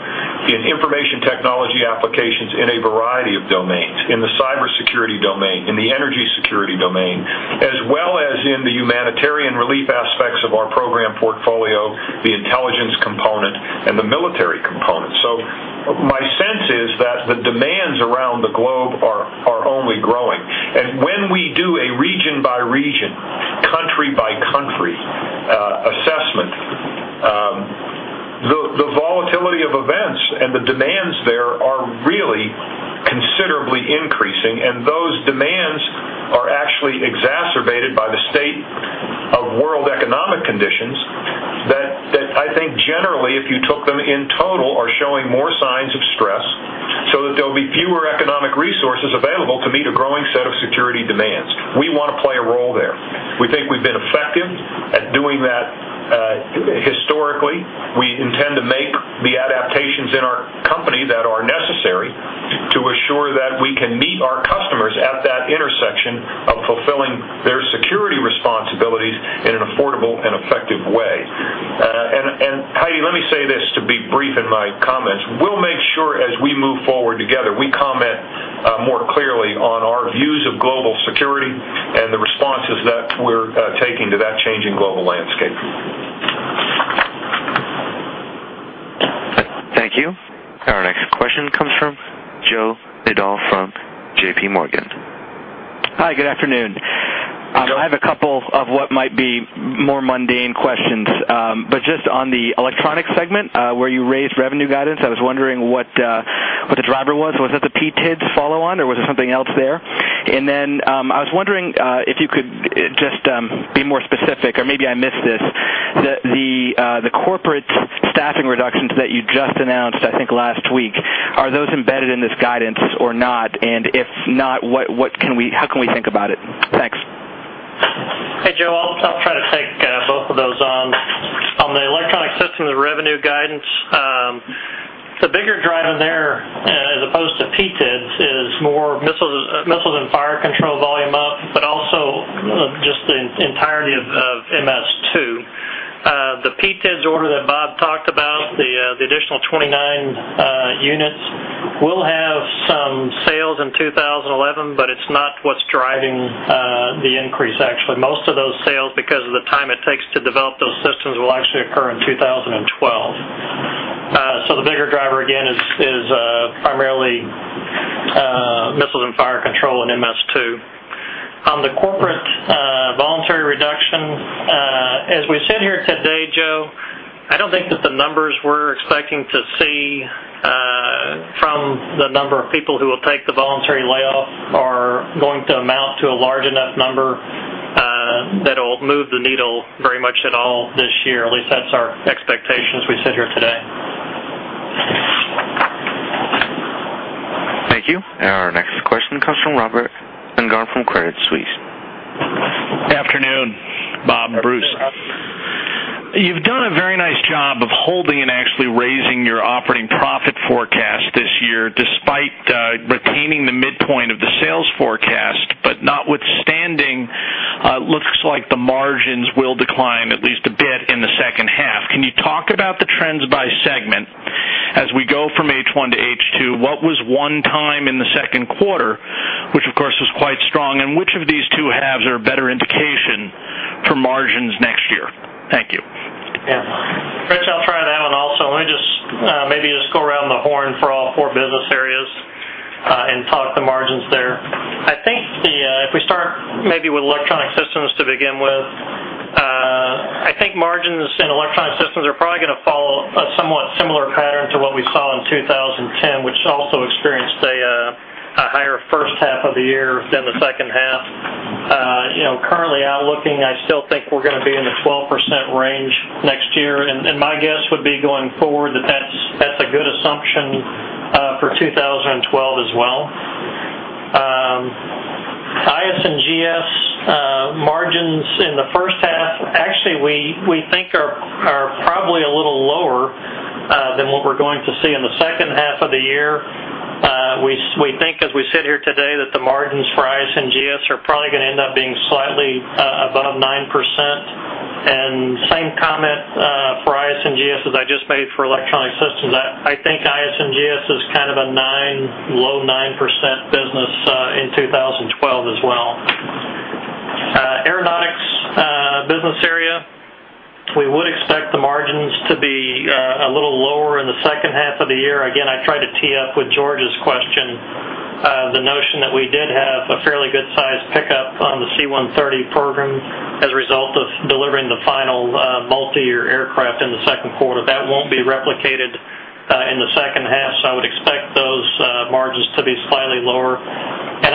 in information technology applications in a variety of domains, in the cybersecurity domain, in the energy security domain, as well as in the humanitarian relief aspects of our program portfolio, the intelligence component, and the military component. My sense is that the demands around the globe are only growing. When we do a region-by-region, country-by-country assessment, the volatility of events and the demands there are really considerably increasing, and those demands are actually exacerbated by the state of World economic conditions that I think generally, if you took them in total, are showing more signs of stress, so that there will be fewer economic resources available to meet a growing set of security demands. We want to play a role there. We think we've been effective at doing that. Historically, we intend to make the adaptations in our company that are necessary to assure that we can meet our customers at that intersection of fulfilling their security responsibilities in an affordable and effective way. Heidi, let me say this to be brief in my comments. We'll make sure as we move forward together, we comment more clearly on our views of global security and the responses that we're taking to that changing global landscape. Thank you. Our next question comes from Joe Liddell from JPMorgan. Hi, good afternoon. I have a couple of what might be more mundane questions, just on the electronics segment where you raised revenue guidance. I was wondering what the driver was. Was that the PTID follow-on or was there something else there? I was wondering if you could just be more specific, or maybe I missed this, the corporate staffing reductions that you just announced, I think last week, are those embedded in this guidance or not? If not, how can we think about it? Thanks. Hey Joe, I'll try to take both of those on. On the Electronic Systems and revenue guidance, the bigger driver there as opposed to PTIDs is more missiles and fire control volume up, but also just the entirety of MS2. The PTIDs order that Bob talked about, the additional 29 units, will have some sales in 2011, but it's not what's driving the increase, actually. Most of those sales, because of the time it takes to develop those systems, will actually occur in 2012. The bigger driver again is primarily missiles and fire control in MS2. On the corporate voluntary reductions, as we sit here today, Joe, I don't think that the numbers we're expecting to see from the number of people who will take the voluntary layoff are going to amount to a large enough number that will move the needle very much at all this year. At least that's our expectations as we sit here today. Thank you. Our next question comes from Robert Spingarn from Credit Suisse. Good afternoon, Bob and Bruce. You've done a very nice job of holding and actually raising your operating profit forecast this year, despite retaining the midpoint of the sales forecast. Notwithstanding, it looks like the margins will decline at least a bit in the second half. Can you talk about the trends by segment as we go from H1 to H2? What was one time in the second quarter, which, of course, was quite strong, and which of these two halves are a better indication for margins next year? Thank you. Yeah, Rich, I'll try that one also. Let me just maybe go around the horn for all four business areas and talk the margins there. I think if we start maybe with Electronic Systems to begin with, I think margins in Electronic Systems are probably going to follow a somewhat similar pattern to what we saw in 2010, which also experienced a higher first half of the year than the second half. Currently outlooking, I still think we're going to be in the 12% range next year, and my guess would be going forward that that's a good assumption for 2012 as well. IS&GS margins in the first half actually we think are probably a little lower than what we're going to see in the second half of the year. We think as we sit here today that the margins for IS&GS are probably going to end up being slightly above 9%. Same comment for IS&GS as I just made for Electronic Systems. I think IS&GS is kind of a low 9% business in 2012 as well. Aeronautics business area, we would expect the margins to be a little lower in the second half of the year. I try to tee up with George's question, the notion that we did have a fairly good sized pickup on the C-130 program as a result of delivering the final multi-year aircraft in the second quarter. That won't be replicated in the second half, so I would expect those margins to be slightly lower.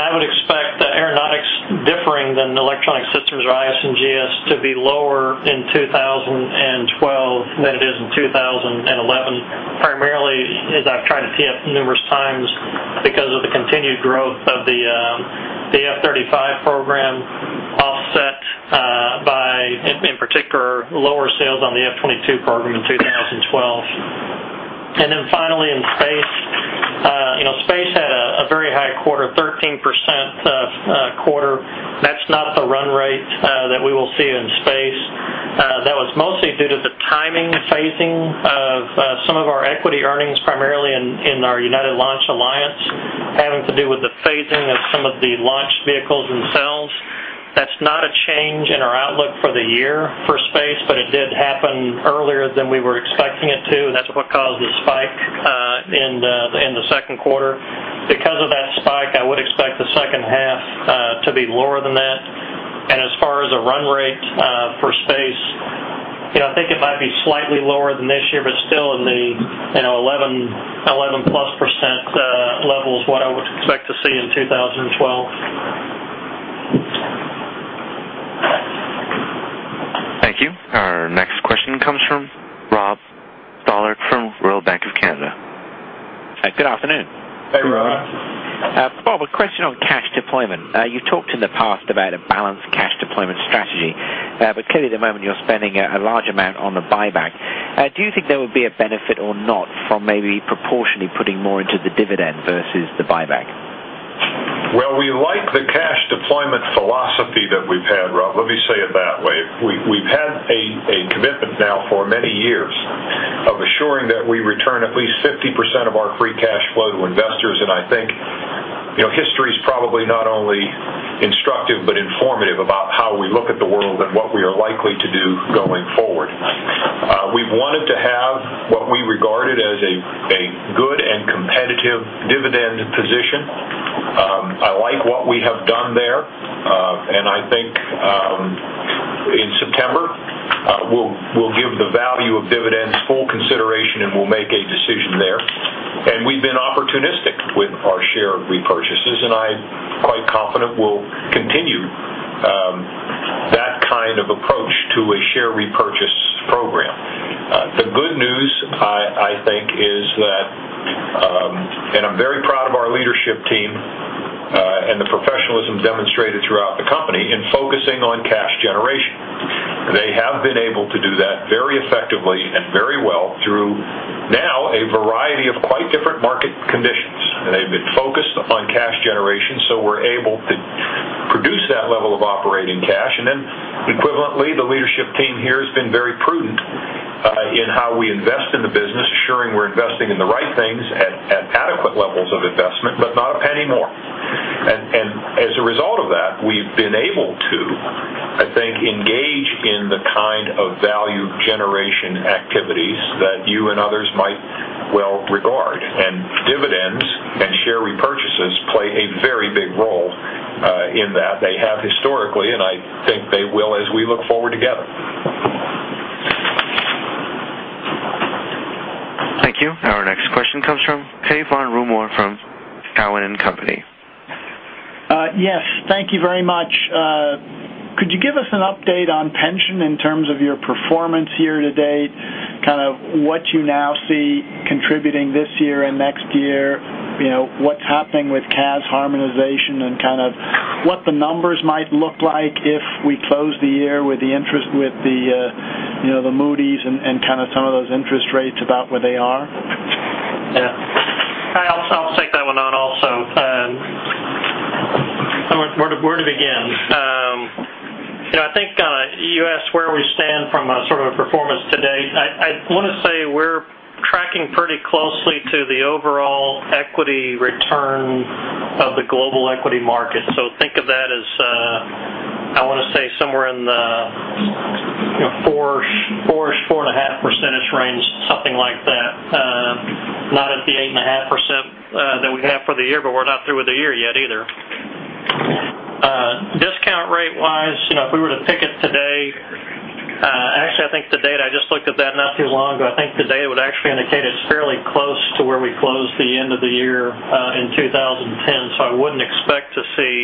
I would expect the Aeronautics, differing from the Electronic Systems or IS&GS, to be lower in 2012 than it is in 2011, primarily as I've tried to tee up numerous times because of the continued growth of the F-35 program offset by, in particular, lower sales on the F-22 program in 2012. Finally, in Space, you know, Space had a very high quarter, 13% quarter. That's not the run rate that we will see in Space. That was mostly due to the timing phasing of some of our equity earnings, primarily in our United Launch Alliance, having to do with the phasing of some of the launch vehicles themselves. That's not a change in our outlook for the year for Space, but it did happen earlier than we were expecting it to. That's what caused the spike in the second quarter. Because of that spike, I would expect the second half to be lower than that. As far as a run rate for Space, you know, I think it might be slightly lower than this year, but still in the 11+% levels, what I would expect to see in 2012. Thank you. Our next question comes from Rob Stallard from Royal Bank of Canada. Good afternoon. Hey Rob. Rob, a question on cash deployment. You've talked in the past about a balanced cash deployment strategy, but clearly at the moment you're spending a large amount on the buyback. Do you think there would be a benefit or not from maybe proportionally putting more into the dividend versus the buyback? We like the cash deployment philosophy that we've had, Rob. Let me say it that way. We've had a commitment now for many years of assuring that we return at least 50% of our free cash flow to investors, and I think history is probably not only instructive but informative about how we look at the world and what we are likely to do going forward. We've wanted to have what we regarded as a good and competitive dividend position. I like what we have done there, and I think in September we'll give the value of dividends full consideration and we'll make a decision there. We've been opportunistic with our share repurchases, and I'm quite confident we'll continue that kind of approach to a share repurchase program. The good news, I think, is that I'm very proud of our leadership team and the professionalism demonstrated throughout the company in focusing on cash generation. They have been able to do that very effectively and very well through now a variety of quite different market conditions. They've been focused upon cash generation, so we're able to produce that level of operating cash. Equivalently, the leadership team here has been very prudent in how we invest in the business, assuring we're investing in the right things at adequate levels of investment, but not a penny more. As a result of that, we've been able to, I think, engage in the kind of value generation activities that you and others might well regard. Dividends and share repurchases play a very big role in that. They have historically, and I think they will as we look forward together. Thank you. Our next question comes from Cai von Rumohr from Cowen and Company. Yes, thank you very much. Could you give us an update on pension in terms of your performance year to date, kind of what you now see contributing this year and next year, what's happening with cash harmonization and what the numbers might look like if we close the year with the interest, with the Moody's and some of those interest rates about where they are? I'll take that one on also. Where to begin? I think you asked where we stand from a sort of a performance today. I want to say we're tracking pretty closely to the overall equity return of the global equity market. Think of that as, I want to say, somewhere in the 4%, 4.5% range, something like that. Not at the 8.5% that we have for the year, but we're not through with the year yet either. Discount rate-wise, if we were to pick it today, actually, I think the data, I just looked at that not too long ago, I think the data would actually indicate it's fairly close to where we closed the end of the year in 2010. I wouldn't expect to see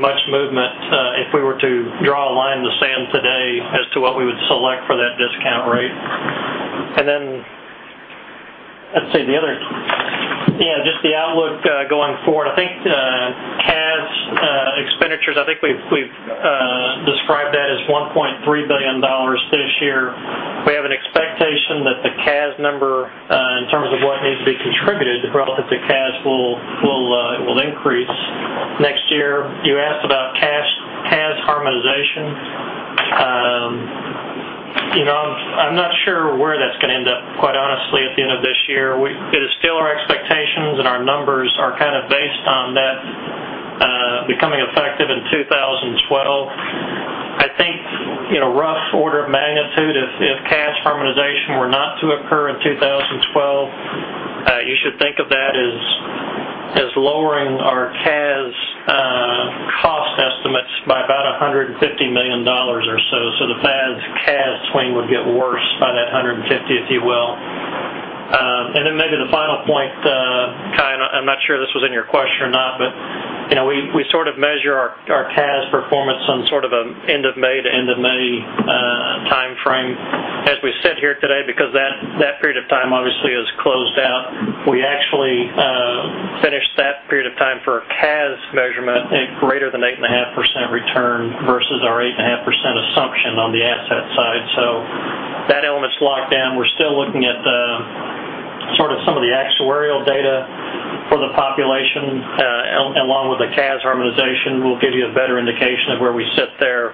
much movement if we were to draw a line in the sand today as to what we would select for that discount rate. Let's see, the other, yeah, just the outlook going forward. I think CAS expenditures, I think we've described that as $1.3 billion this year. We have an expectation that the CAS number in terms of what needs to be contributed relative to CAS will increase next year. You asked about CAS harmonization. I'm not sure where that's going to end up, quite honestly, at the end of this year. It is still our expectations and our numbers are kind of based on that becoming effective in 2012. I think, rough order of magnitude, if CAS harmonization were not to occur in 2012, you should think of that as lowering our CAS cost estimates by about $150 million or so. The CAS swing would get worse by that $150 million, if you will. Maybe the final point, Cai, and I'm not sure this was in your question or not, but we sort of measure our CAS performance on sort of an end of May to end of May timeframe as we sit here today because that period of time obviously is closed out. If we actually finish that period of time for a CAS measurement, a greater than 8.5% return versus our 8.5% assumption on the asset side. That element's locked down. We're still looking at some of the actuarial data for the population along with the CAS harmonization, which will give you a better indication of where we sit there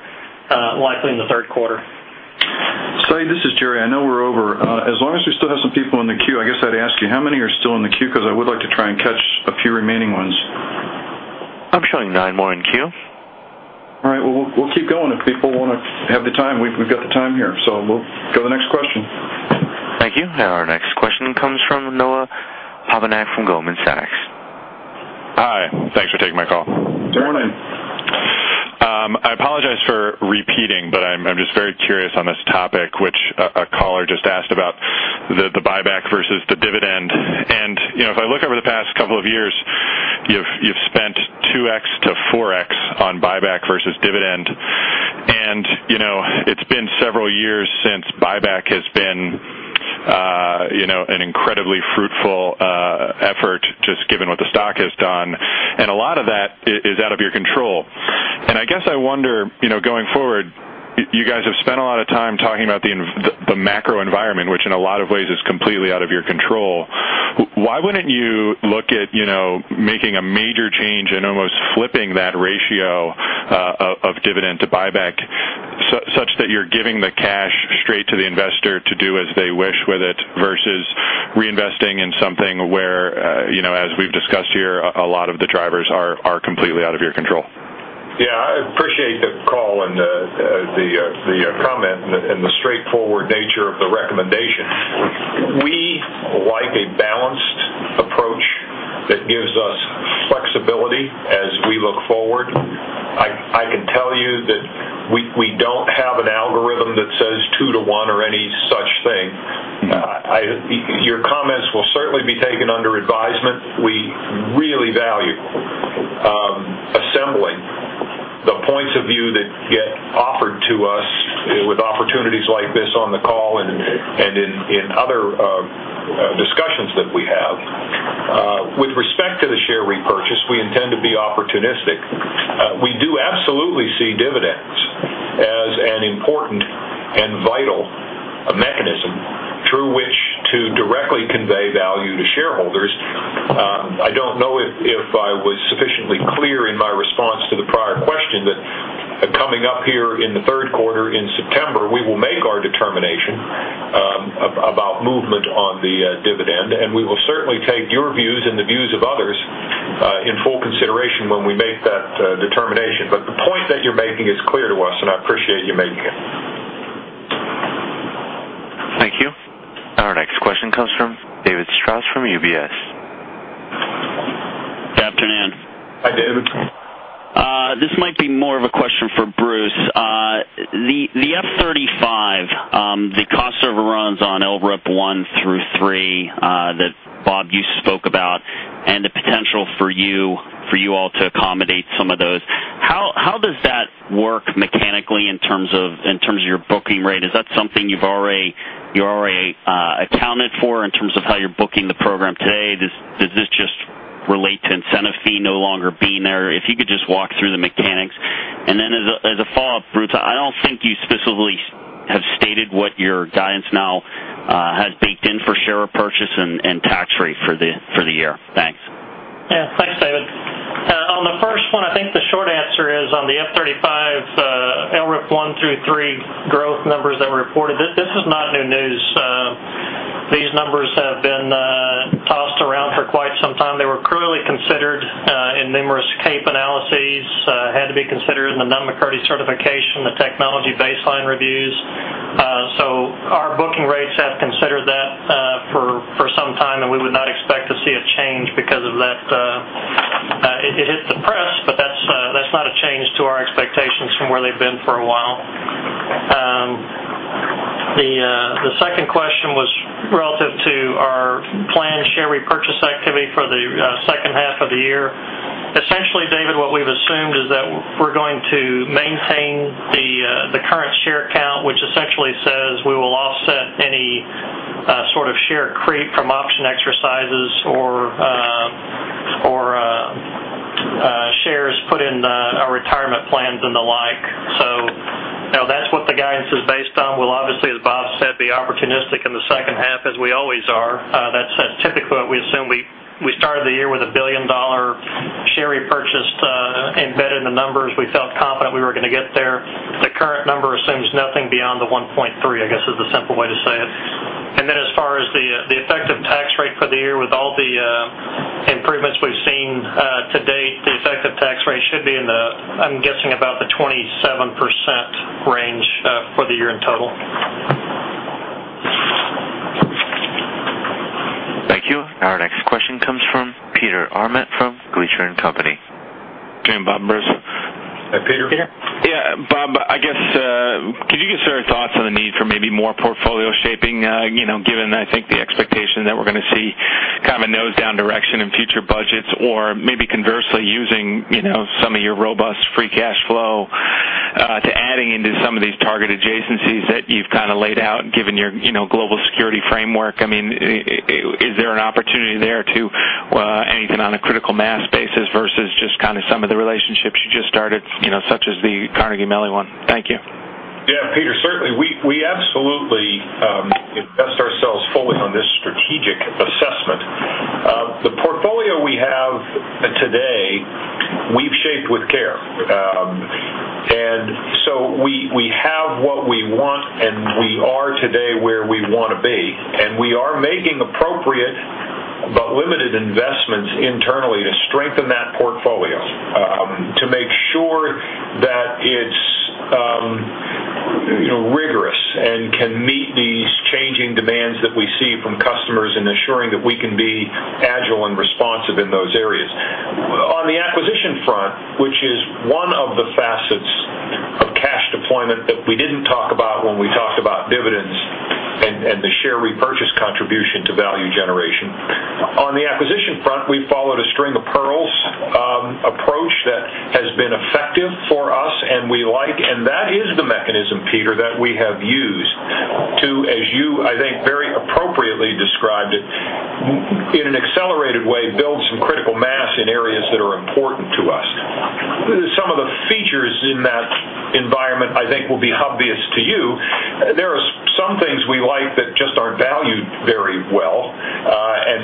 likely in the third quarter. This is Jerry. I know we're over. As long as we still have some people in the queue, I guess I'd ask you, how many are still in the queue? I would like to try and catch a few remaining ones. I'm showing nine more in queue. All right. We'll keep going if people want to have the time. We've got the time here. We'll go to the next question. Thank you. Our next question comes from Noah Poponak from Goldman Sachs. Hi, thanks for taking my call. Good morning. I apologize for repeating, but I'm just very curious on this topic, which a caller just asked about, the buyback versus the dividend. If I look over the past couple of years, you've spent 2x-4x on buyback versus dividend. It's been several years since buyback has been an incredibly fruitful effort just given what the stock has done. A lot of that is out of your control. I guess I wonder, going forward, you guys have spent a lot of time talking about the macro environment, which in a lot of ways is completely out of your control. Why wouldn't you look at making a major change and almost flipping that ratio of dividend to buyback such that you're giving the cash straight to the investor to do as they wish with it versus reinvesting in something where, as we've discussed here, a lot of the drivers are completely out of your control? Yeah, I appreciate the call and the comment and the straightforward nature of the recommendation. We like a balanced approach that gives us flexibility as we look forward. I can tell you that we don't have an algorithm that says two to one or any such thing. Your comments will certainly be taken under advisement. We really value assembling the points of view that get offered to us with opportunities like this on the call and in other discussions that we have. With respect to the share repurchase, we intend to be opportunistic. We do absolutely see dividends as an important and vital mechanism through which to directly convey value to shareholders. I don't know if I was sufficiently clear in my response to the prior question that coming up here in the third quarter in September, we will make our determination about movement on the dividend, and we will certainly take your views and the views of others in full consideration when we make that determination. The point that you're making is clear to us, and I appreciate you making it. Thank you. Our next question comes from David Strauss from UBS. Good afternoon. Hi, David. This might be more of a question for Bruce. The F-35, the cost server runs on LRIP 1 through 3 that Bob, you spoke about, and the potential for you all to accommodate some of those. How does that work mechanically in terms of your booking rate? Is that something you've already accounted for in terms of how you're booking the program today? Does this just relate to incentive fee no longer being there? If you could just walk through the mechanics. As a follow-up, Bruce, I don't think you specifically have stated what your guidance now has baked in for share repurchase and tax rate for the year. Thanks. Yeah, thanks, David. On the first one, I think the short answer is on the F-35, LRIP 1 through 3 growth numbers that were reported. This is not new news. These numbers have been tossed around for quite some time. They were clearly considered in numerous CAPE analyses, had to be considered in the Nunn-McCurdy certification, the technology baseline reviews. Our booking rates have considered that for some time, and we would not expect to see a change because of that. It hit the press, but that's not a change to our expectations from where they've been for a while. The second question was relative to our planned share repurchase activity for the second half of the year. Essentially, David, what we've assumed is that we're going to maintain the current share count, which essentially says we will offset any sort of share creep from option exercises or shares put in our retirement plans and the like. That's what the guidance is based on. We'll obviously, as Bob said, be opportunistic in the second half as we always are. That's typically what we assume. We started the year with a $1 billion share repurchase embedded in the numbers. We felt confident we were going to get there. The current number assumes nothing beyond the $1.3 billion, I guess is the simple way to say it. As far as the effective tax rate for the year, with all the improvements we've seen to date, the effective tax rate should be in the, I'm guessing, about the 27% range for the year in total. Thank you. Our next question comes from Peter Arment from Gleacher & Company. Good morning, Bob and Bruce. Hi Peter. Peter, yeah, Bob, I guess could you give us your thoughts on the need for maybe more portfolio shaping, you know, given I think the expectation that we're going to see kind of a nose-down direction in future budgets or maybe conversely using, you know, some of your robust free cash flow to adding into some of these target adjacencies that you've kind of laid out given your, you know, global security framework? I mean, is there an opportunity there to anything on a critical mass basis versus just kind of some of the relationships you just started, you know, such as the Carnegie Mellon one? Thank you. Yeah, Peter, certainly. We absolutely invest ourselves fully on this strategic assessment. The portfolio we have today, we've shaped with care. We have what we want, and we are today where we want to be. We are making appropriate but limited investments internally to strengthen that portfolio, to make sure that it's rigorous and can meet these changing demands that we see from customers and assuring that we can be agile and responsive in those areas. On the acquisition front, which is one of the facets of cash deployment that we didn't talk about when we talked about dividends and the share repurchase contribution to value generation, we've followed a string of pearls approach that has been effective for us and we like, and that is the mechanism, Peter, that we have used to, as you, I think, very appropriately described it, in an accelerated way, build some critical mass in areas that are important to us. Some of the features in that environment, I think, will be obvious to you. There are some things we like that just aren't valued very well.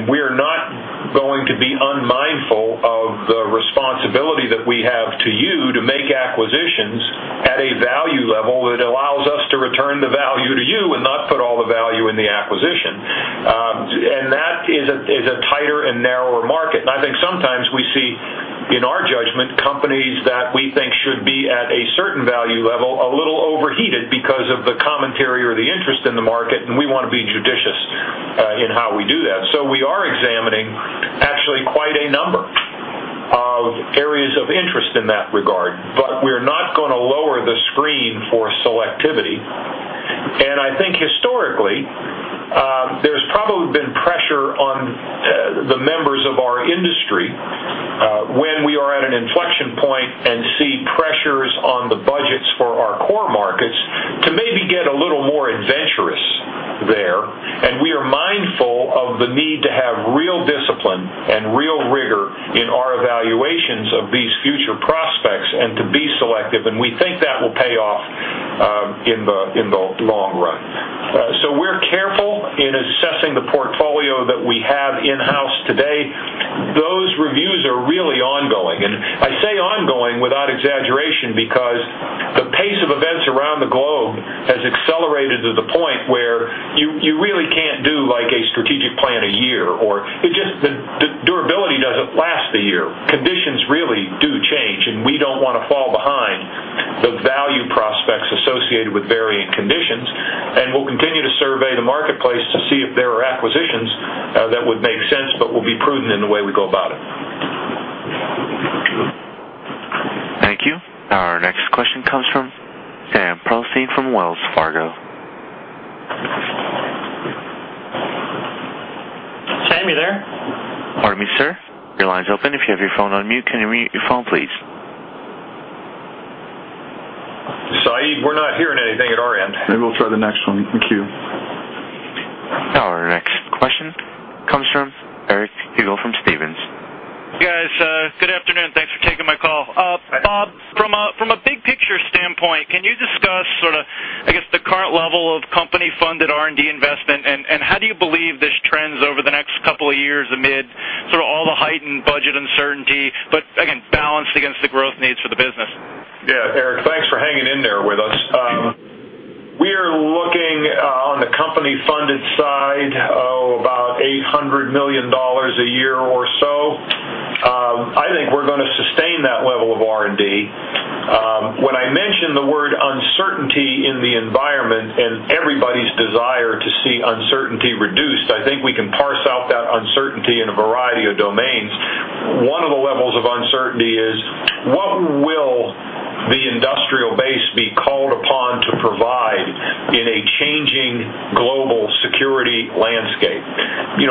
We're not going to be unmindful of the responsibility that we have to you to make acquisitions at a value level that allows us to return the value to you and not put all the value in the acquisition. That is a tighter and narrower market. I think sometimes we see, in our judgment, companies that we think should be at a certain value level a little overheated because of the commentary or the interest in the market, and we want to be judicious in how we do that. We are examining actually quite a number of areas of interest in that regard, but we're not going to lower the screen for selectivity. I think historically, there's probably been pressure on the members of our industry when we are at an inflection point and see pressures on the budgets for our core markets to maybe get a little more adventurous there. We are mindful of the need to have real discipline and real rigor in our evaluations of these future prospects and to be selective, and we think that will pay off in the long run. We're careful in assessing the portfolio that we have in-house today. Those reviews are really ongoing. I say ongoing without exaggeration because the pace of events around the globe has accelerated to the point where you really can't do like a strategic plan a year or it just the durability doesn't last a year. Conditions really do change, and we don't want to fall behind the value prospects associated with varying conditions. We'll continue to survey the marketplace to see if there are acquisitions that would make sense, but we'll be prudent in the way we go about it. Thank you. Our next question comes from [Sam] from Wells Fargo. Sam, you there? Pardon me, sir. Your line's open. If you have your phone on mute, can you unmute your phone, please. We're not hearing anything at our end. Maybe we'll take the next one. Thank you. Our next question comes from Eric Hugel from Stephens. Hey guys, good afternoon. Thanks for taking my call. Bob, from a big picture standpoint, can you discuss sort of, I guess, the current level of company-funded R&D investment and how do you believe this trends over the next couple of years amid sort of all the heightened budget uncertainty, again, balanced against the growth needs for the business? Yeah, Eric, thanks for hanging in there with us. We are looking on the company-funded side at about $800 million a year or so. I think we're going to sustain that level of R&D. When I mentioned the word uncertainty in the environment and everybody's desire to see uncertainty reduced, I think we can parse out that uncertainty in a variety of domains. One of the levels of uncertainty is what will the industrial base be called upon to provide in a changing global security landscape?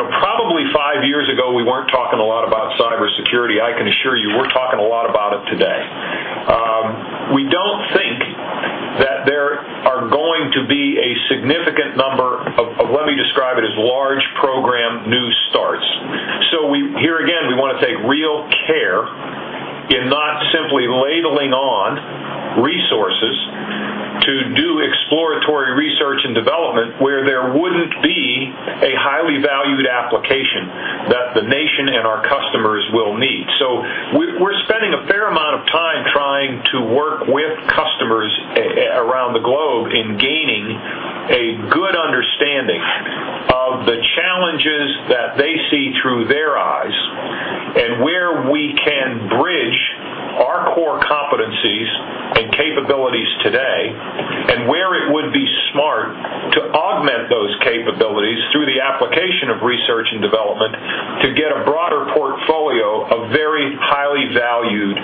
Probably five years ago we weren't talking a lot about cybersecurity. I can assure you we're talking a lot about it today. We don't think that there are going to be a significant number of, let me describe it as large program new starts. We want to take real care in not simply labeling on resources to do exploratory research and development where there wouldn't be a highly valued application that the nation and our customers will need. We're spending a fair amount of time trying to work with customers around the globe in gaining a good understanding of the challenges that they see through their eyes and where we can bridge our core competencies and capabilities today and where it would be smart to augment those capabilities through the application of research and development to get a broader portfolio of very highly valued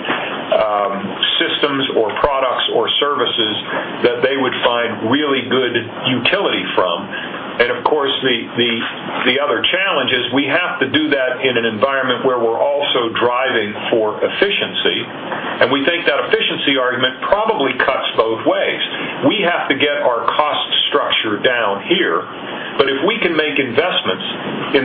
systems or products or services that they would find really good utility from. The other challenge is we have to do that in an environment where we're also driving for efficiency. We think that efficiency argument probably cuts both ways. We have to get our cost structure down here. If we can make investments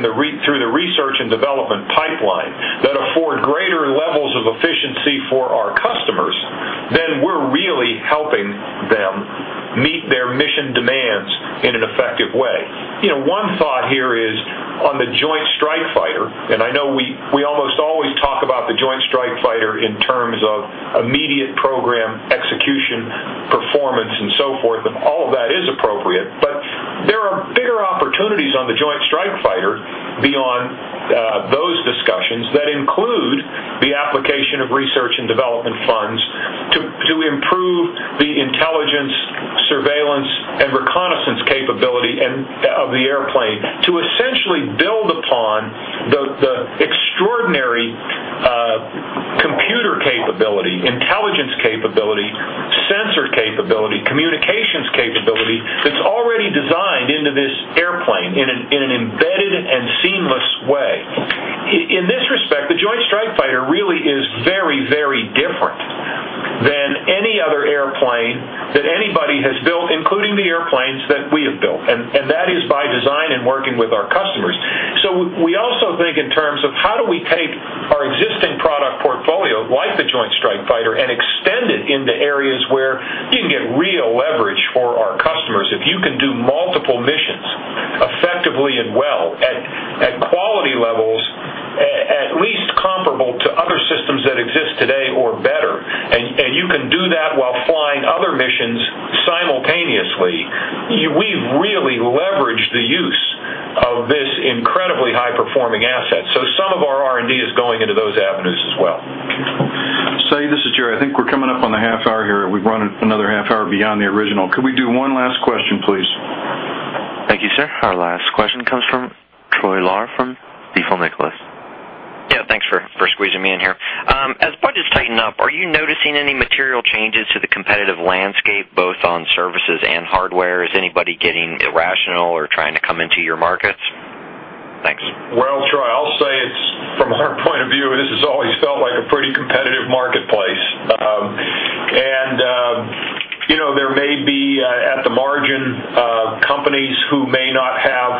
through the research and development pipeline that afford greater levels of efficiency for our customers, then we're really helping them meet their mission demands in an effective way. One thought here is on the F-35 Joint Strike Fighter. I know we almost always talk about the F-35 Joint Strike Fighter in terms of immediate program execution, performance, and so forth, but all of that is appropriate. There are bigger opportunities on the Joint Strike Fighter beyond those discussions that include the application of research and development funds to improve the intelligence, surveillance, and reconnaissance capability of the airplane to essentially build upon the extraordinary computer capability, intelligence capability, sensor capability, communications capability that's already designed into this airplane in an embedded and seamless way. In this respect, the Joint Strike Fighter really is very, very different than any other airplane that anybody has built, including the airplanes that we have built. That is by design and working with our customers. We also think in terms of how do we take our existing product portfolio like the Joint Strike Fighter and extend it into areas where you can get real leverage for our customers if you can do multiple missions effectively and well at quality levels at least comparable to other systems that exist today or better. You can do that while flying other missions simultaneously. We've really leveraged the use of this incredibly high-performing asset. Some of our R&D is going into those avenues as well. This is Jerry. I think we're coming up on the half hour here. We've run another half hour beyond the original. Can we do one last question, please? Thank you, sir. Our last question comes from Troy Lahr from Stifel Nicolaus. Thanks for squeezing me in here. As budgets tighten up, are you noticing any material changes to the competitive landscape both on services and hardware? Is anybody getting irrational or trying to come into your markets? Thanks. Troy, I'll say it's from our point of view, this has always felt like a pretty competitive marketplace. You know, there may be at the margin companies who may not have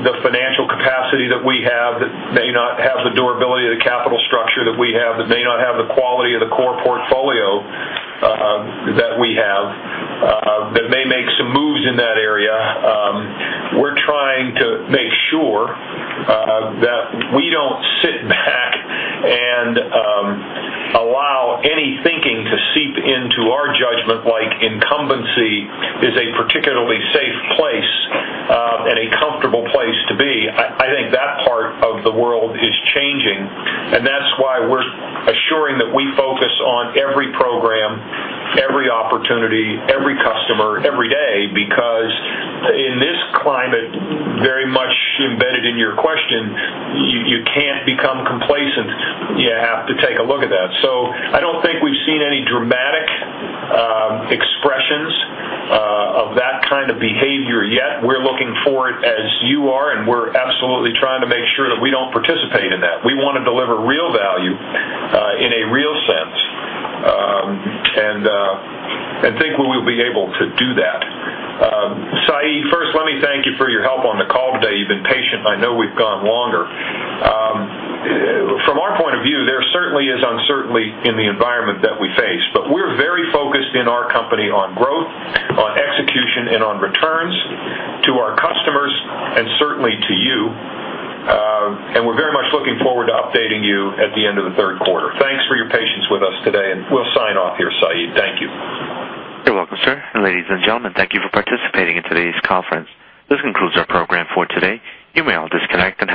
the financial capacity that we have, that may not have the durability of the capital structure that we have, that may not have the quality of the core portfolio that we have, that may make some moves in that area. We're trying to make sure that we don't sit back and allow any thinking to seep into our judgment like incumbency is a particularly safe place and a comfortable place to be. I think that part of the world is changing. That's why we're assuring that we focus on every program, every opportunity, every customer, every day because in this climate, very much embedded in your question, you can't become complacent. You have to take a look at that. I don't think we've seen any dramatic expressions of that kind of behavior yet. We're looking for it as you are, and we're absolutely trying to make sure that we don't participate in that. We want to deliver real value in a real sense. I think we will be able to do that. First, let me thank you for your help on the call today. You've been patient. I know we've gone longer. From our point of view, there certainly is uncertainty in the environment that we face, but we're very focused in our company on growth, on execution, and on returns to our customers and certainly to you. We're very much looking forward to updating you at the end of the third quarter. Thanks for your patience with us today, and we'll sign off here, Said. Thank you. You're welcome, sir. Ladies and gentlemen, thank you for participating in today's conference. This concludes our program for today. You may all disconnect now.